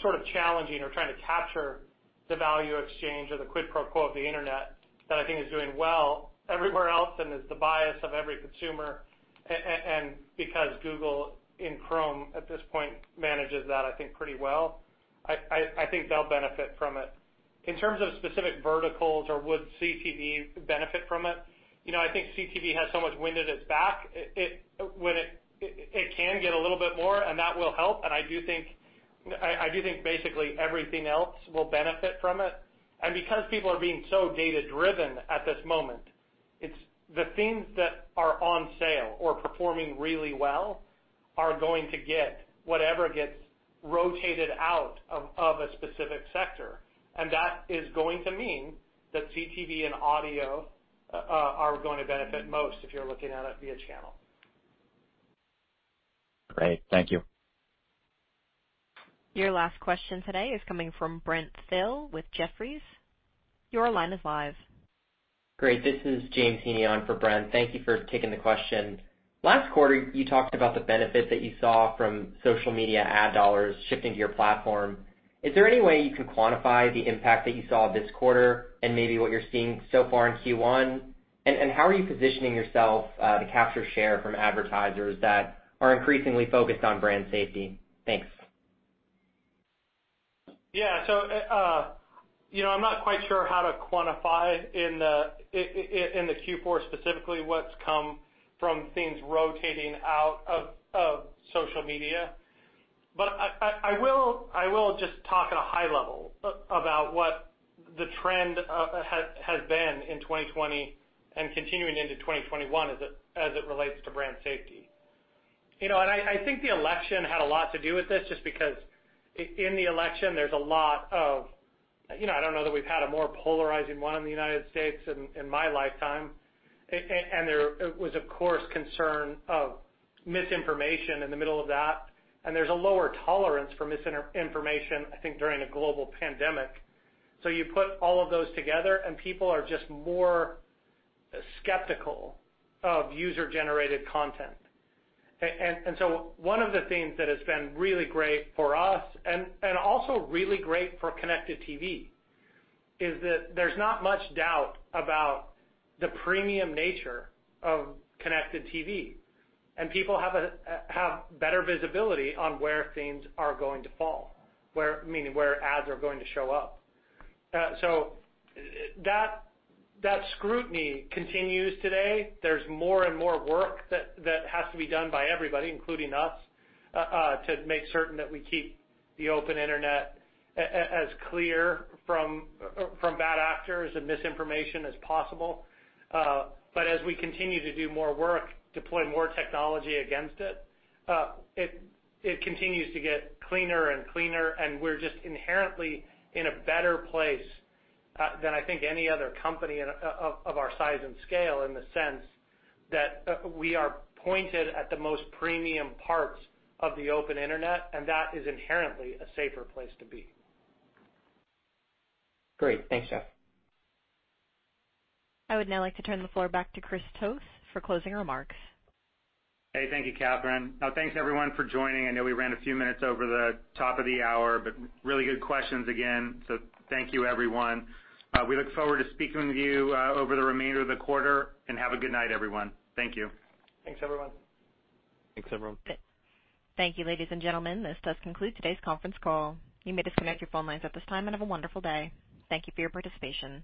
sort of challenging or trying to capture the value exchange or the quid pro quo of the internet that I think is doing well everywhere else and is the bias of every consumer. Because Google in Chrome at this point manages that, I think pretty well, I think they'll benefit from it. In terms of specific verticals or would CTV benefit from it, I think CTV has so much wind at its back. It can get a little bit more, and that will help. I do think basically everything else will benefit from it. Because people are being so data-driven at this moment, it's the things that are on sale or performing really well are going to get whatever gets rotated out of a specific sector. That is going to mean that CTV and audio are going to benefit most if you're looking at it via channel.
Great. Thank you.
Your last question today is coming from Brent Thill with Jefferies. Your line is live.
Great. This is James Heaney on for Brent. Thank you for taking the question. Last quarter, you talked about the benefit that you saw from social media ad dollars shifting to your platform. Is there any way you can quantify the impact that you saw this quarter and maybe what you're seeing so far in Q1? How are you positioning yourself to capture share from advertisers that are increasingly focused on brand safety? Thanks.
I'm not quite sure how to quantify in the Q4 specifically what's come from things rotating out of social media. I will just talk at a high level about what the trend has been in 2020 and continuing into 2021 as it relates to brand safety. I think the election had a lot to do with this just because in the election, there's a lot of, I don't know that we've had a more polarizing one in the U.S. in my lifetime. There was, of course, concern of misinformation in the middle of that, and there's a lower tolerance for misinformation, I think, during a global pandemic. You put all of those together, and people are just more skeptical of user-generated content. One of the things that has been really great for us and also really great for connected TV is that there's not much doubt about the premium nature of connected TV. People have better visibility on where things are going to fall, meaning where ads are going to show up. That scrutiny continues today. There's more and more work that has to be done by everybody, including us to make certain that we keep the open internet as clear from bad actors and misinformation as possible. As we continue to do more work, deploy more technology against it continues to get cleaner and cleaner, and we're just inherently in a better place than I think any other company of our size and scale in the sense that we are pointed at the most premium parts of the open internet, and that is inherently a safer place to be.
Great. Thanks, Jeff.
I would now like to turn the floor back to Chris Toth for closing remarks.
Hey, thank you, Catherine. Thanks everyone for joining. I know we ran a few minutes over the top of the hour, but really good questions again. Thank you, everyone. We look forward to speaking with you over the remainder of the quarter, and have a good night, everyone. Thank you.
Thanks, everyone.
Thanks, everyone.
Thank you, ladies and gentlemen. This does conclude today's conference call. You may disconnect your phone lines at this time, and have a wonderful day. Thank you for your participation.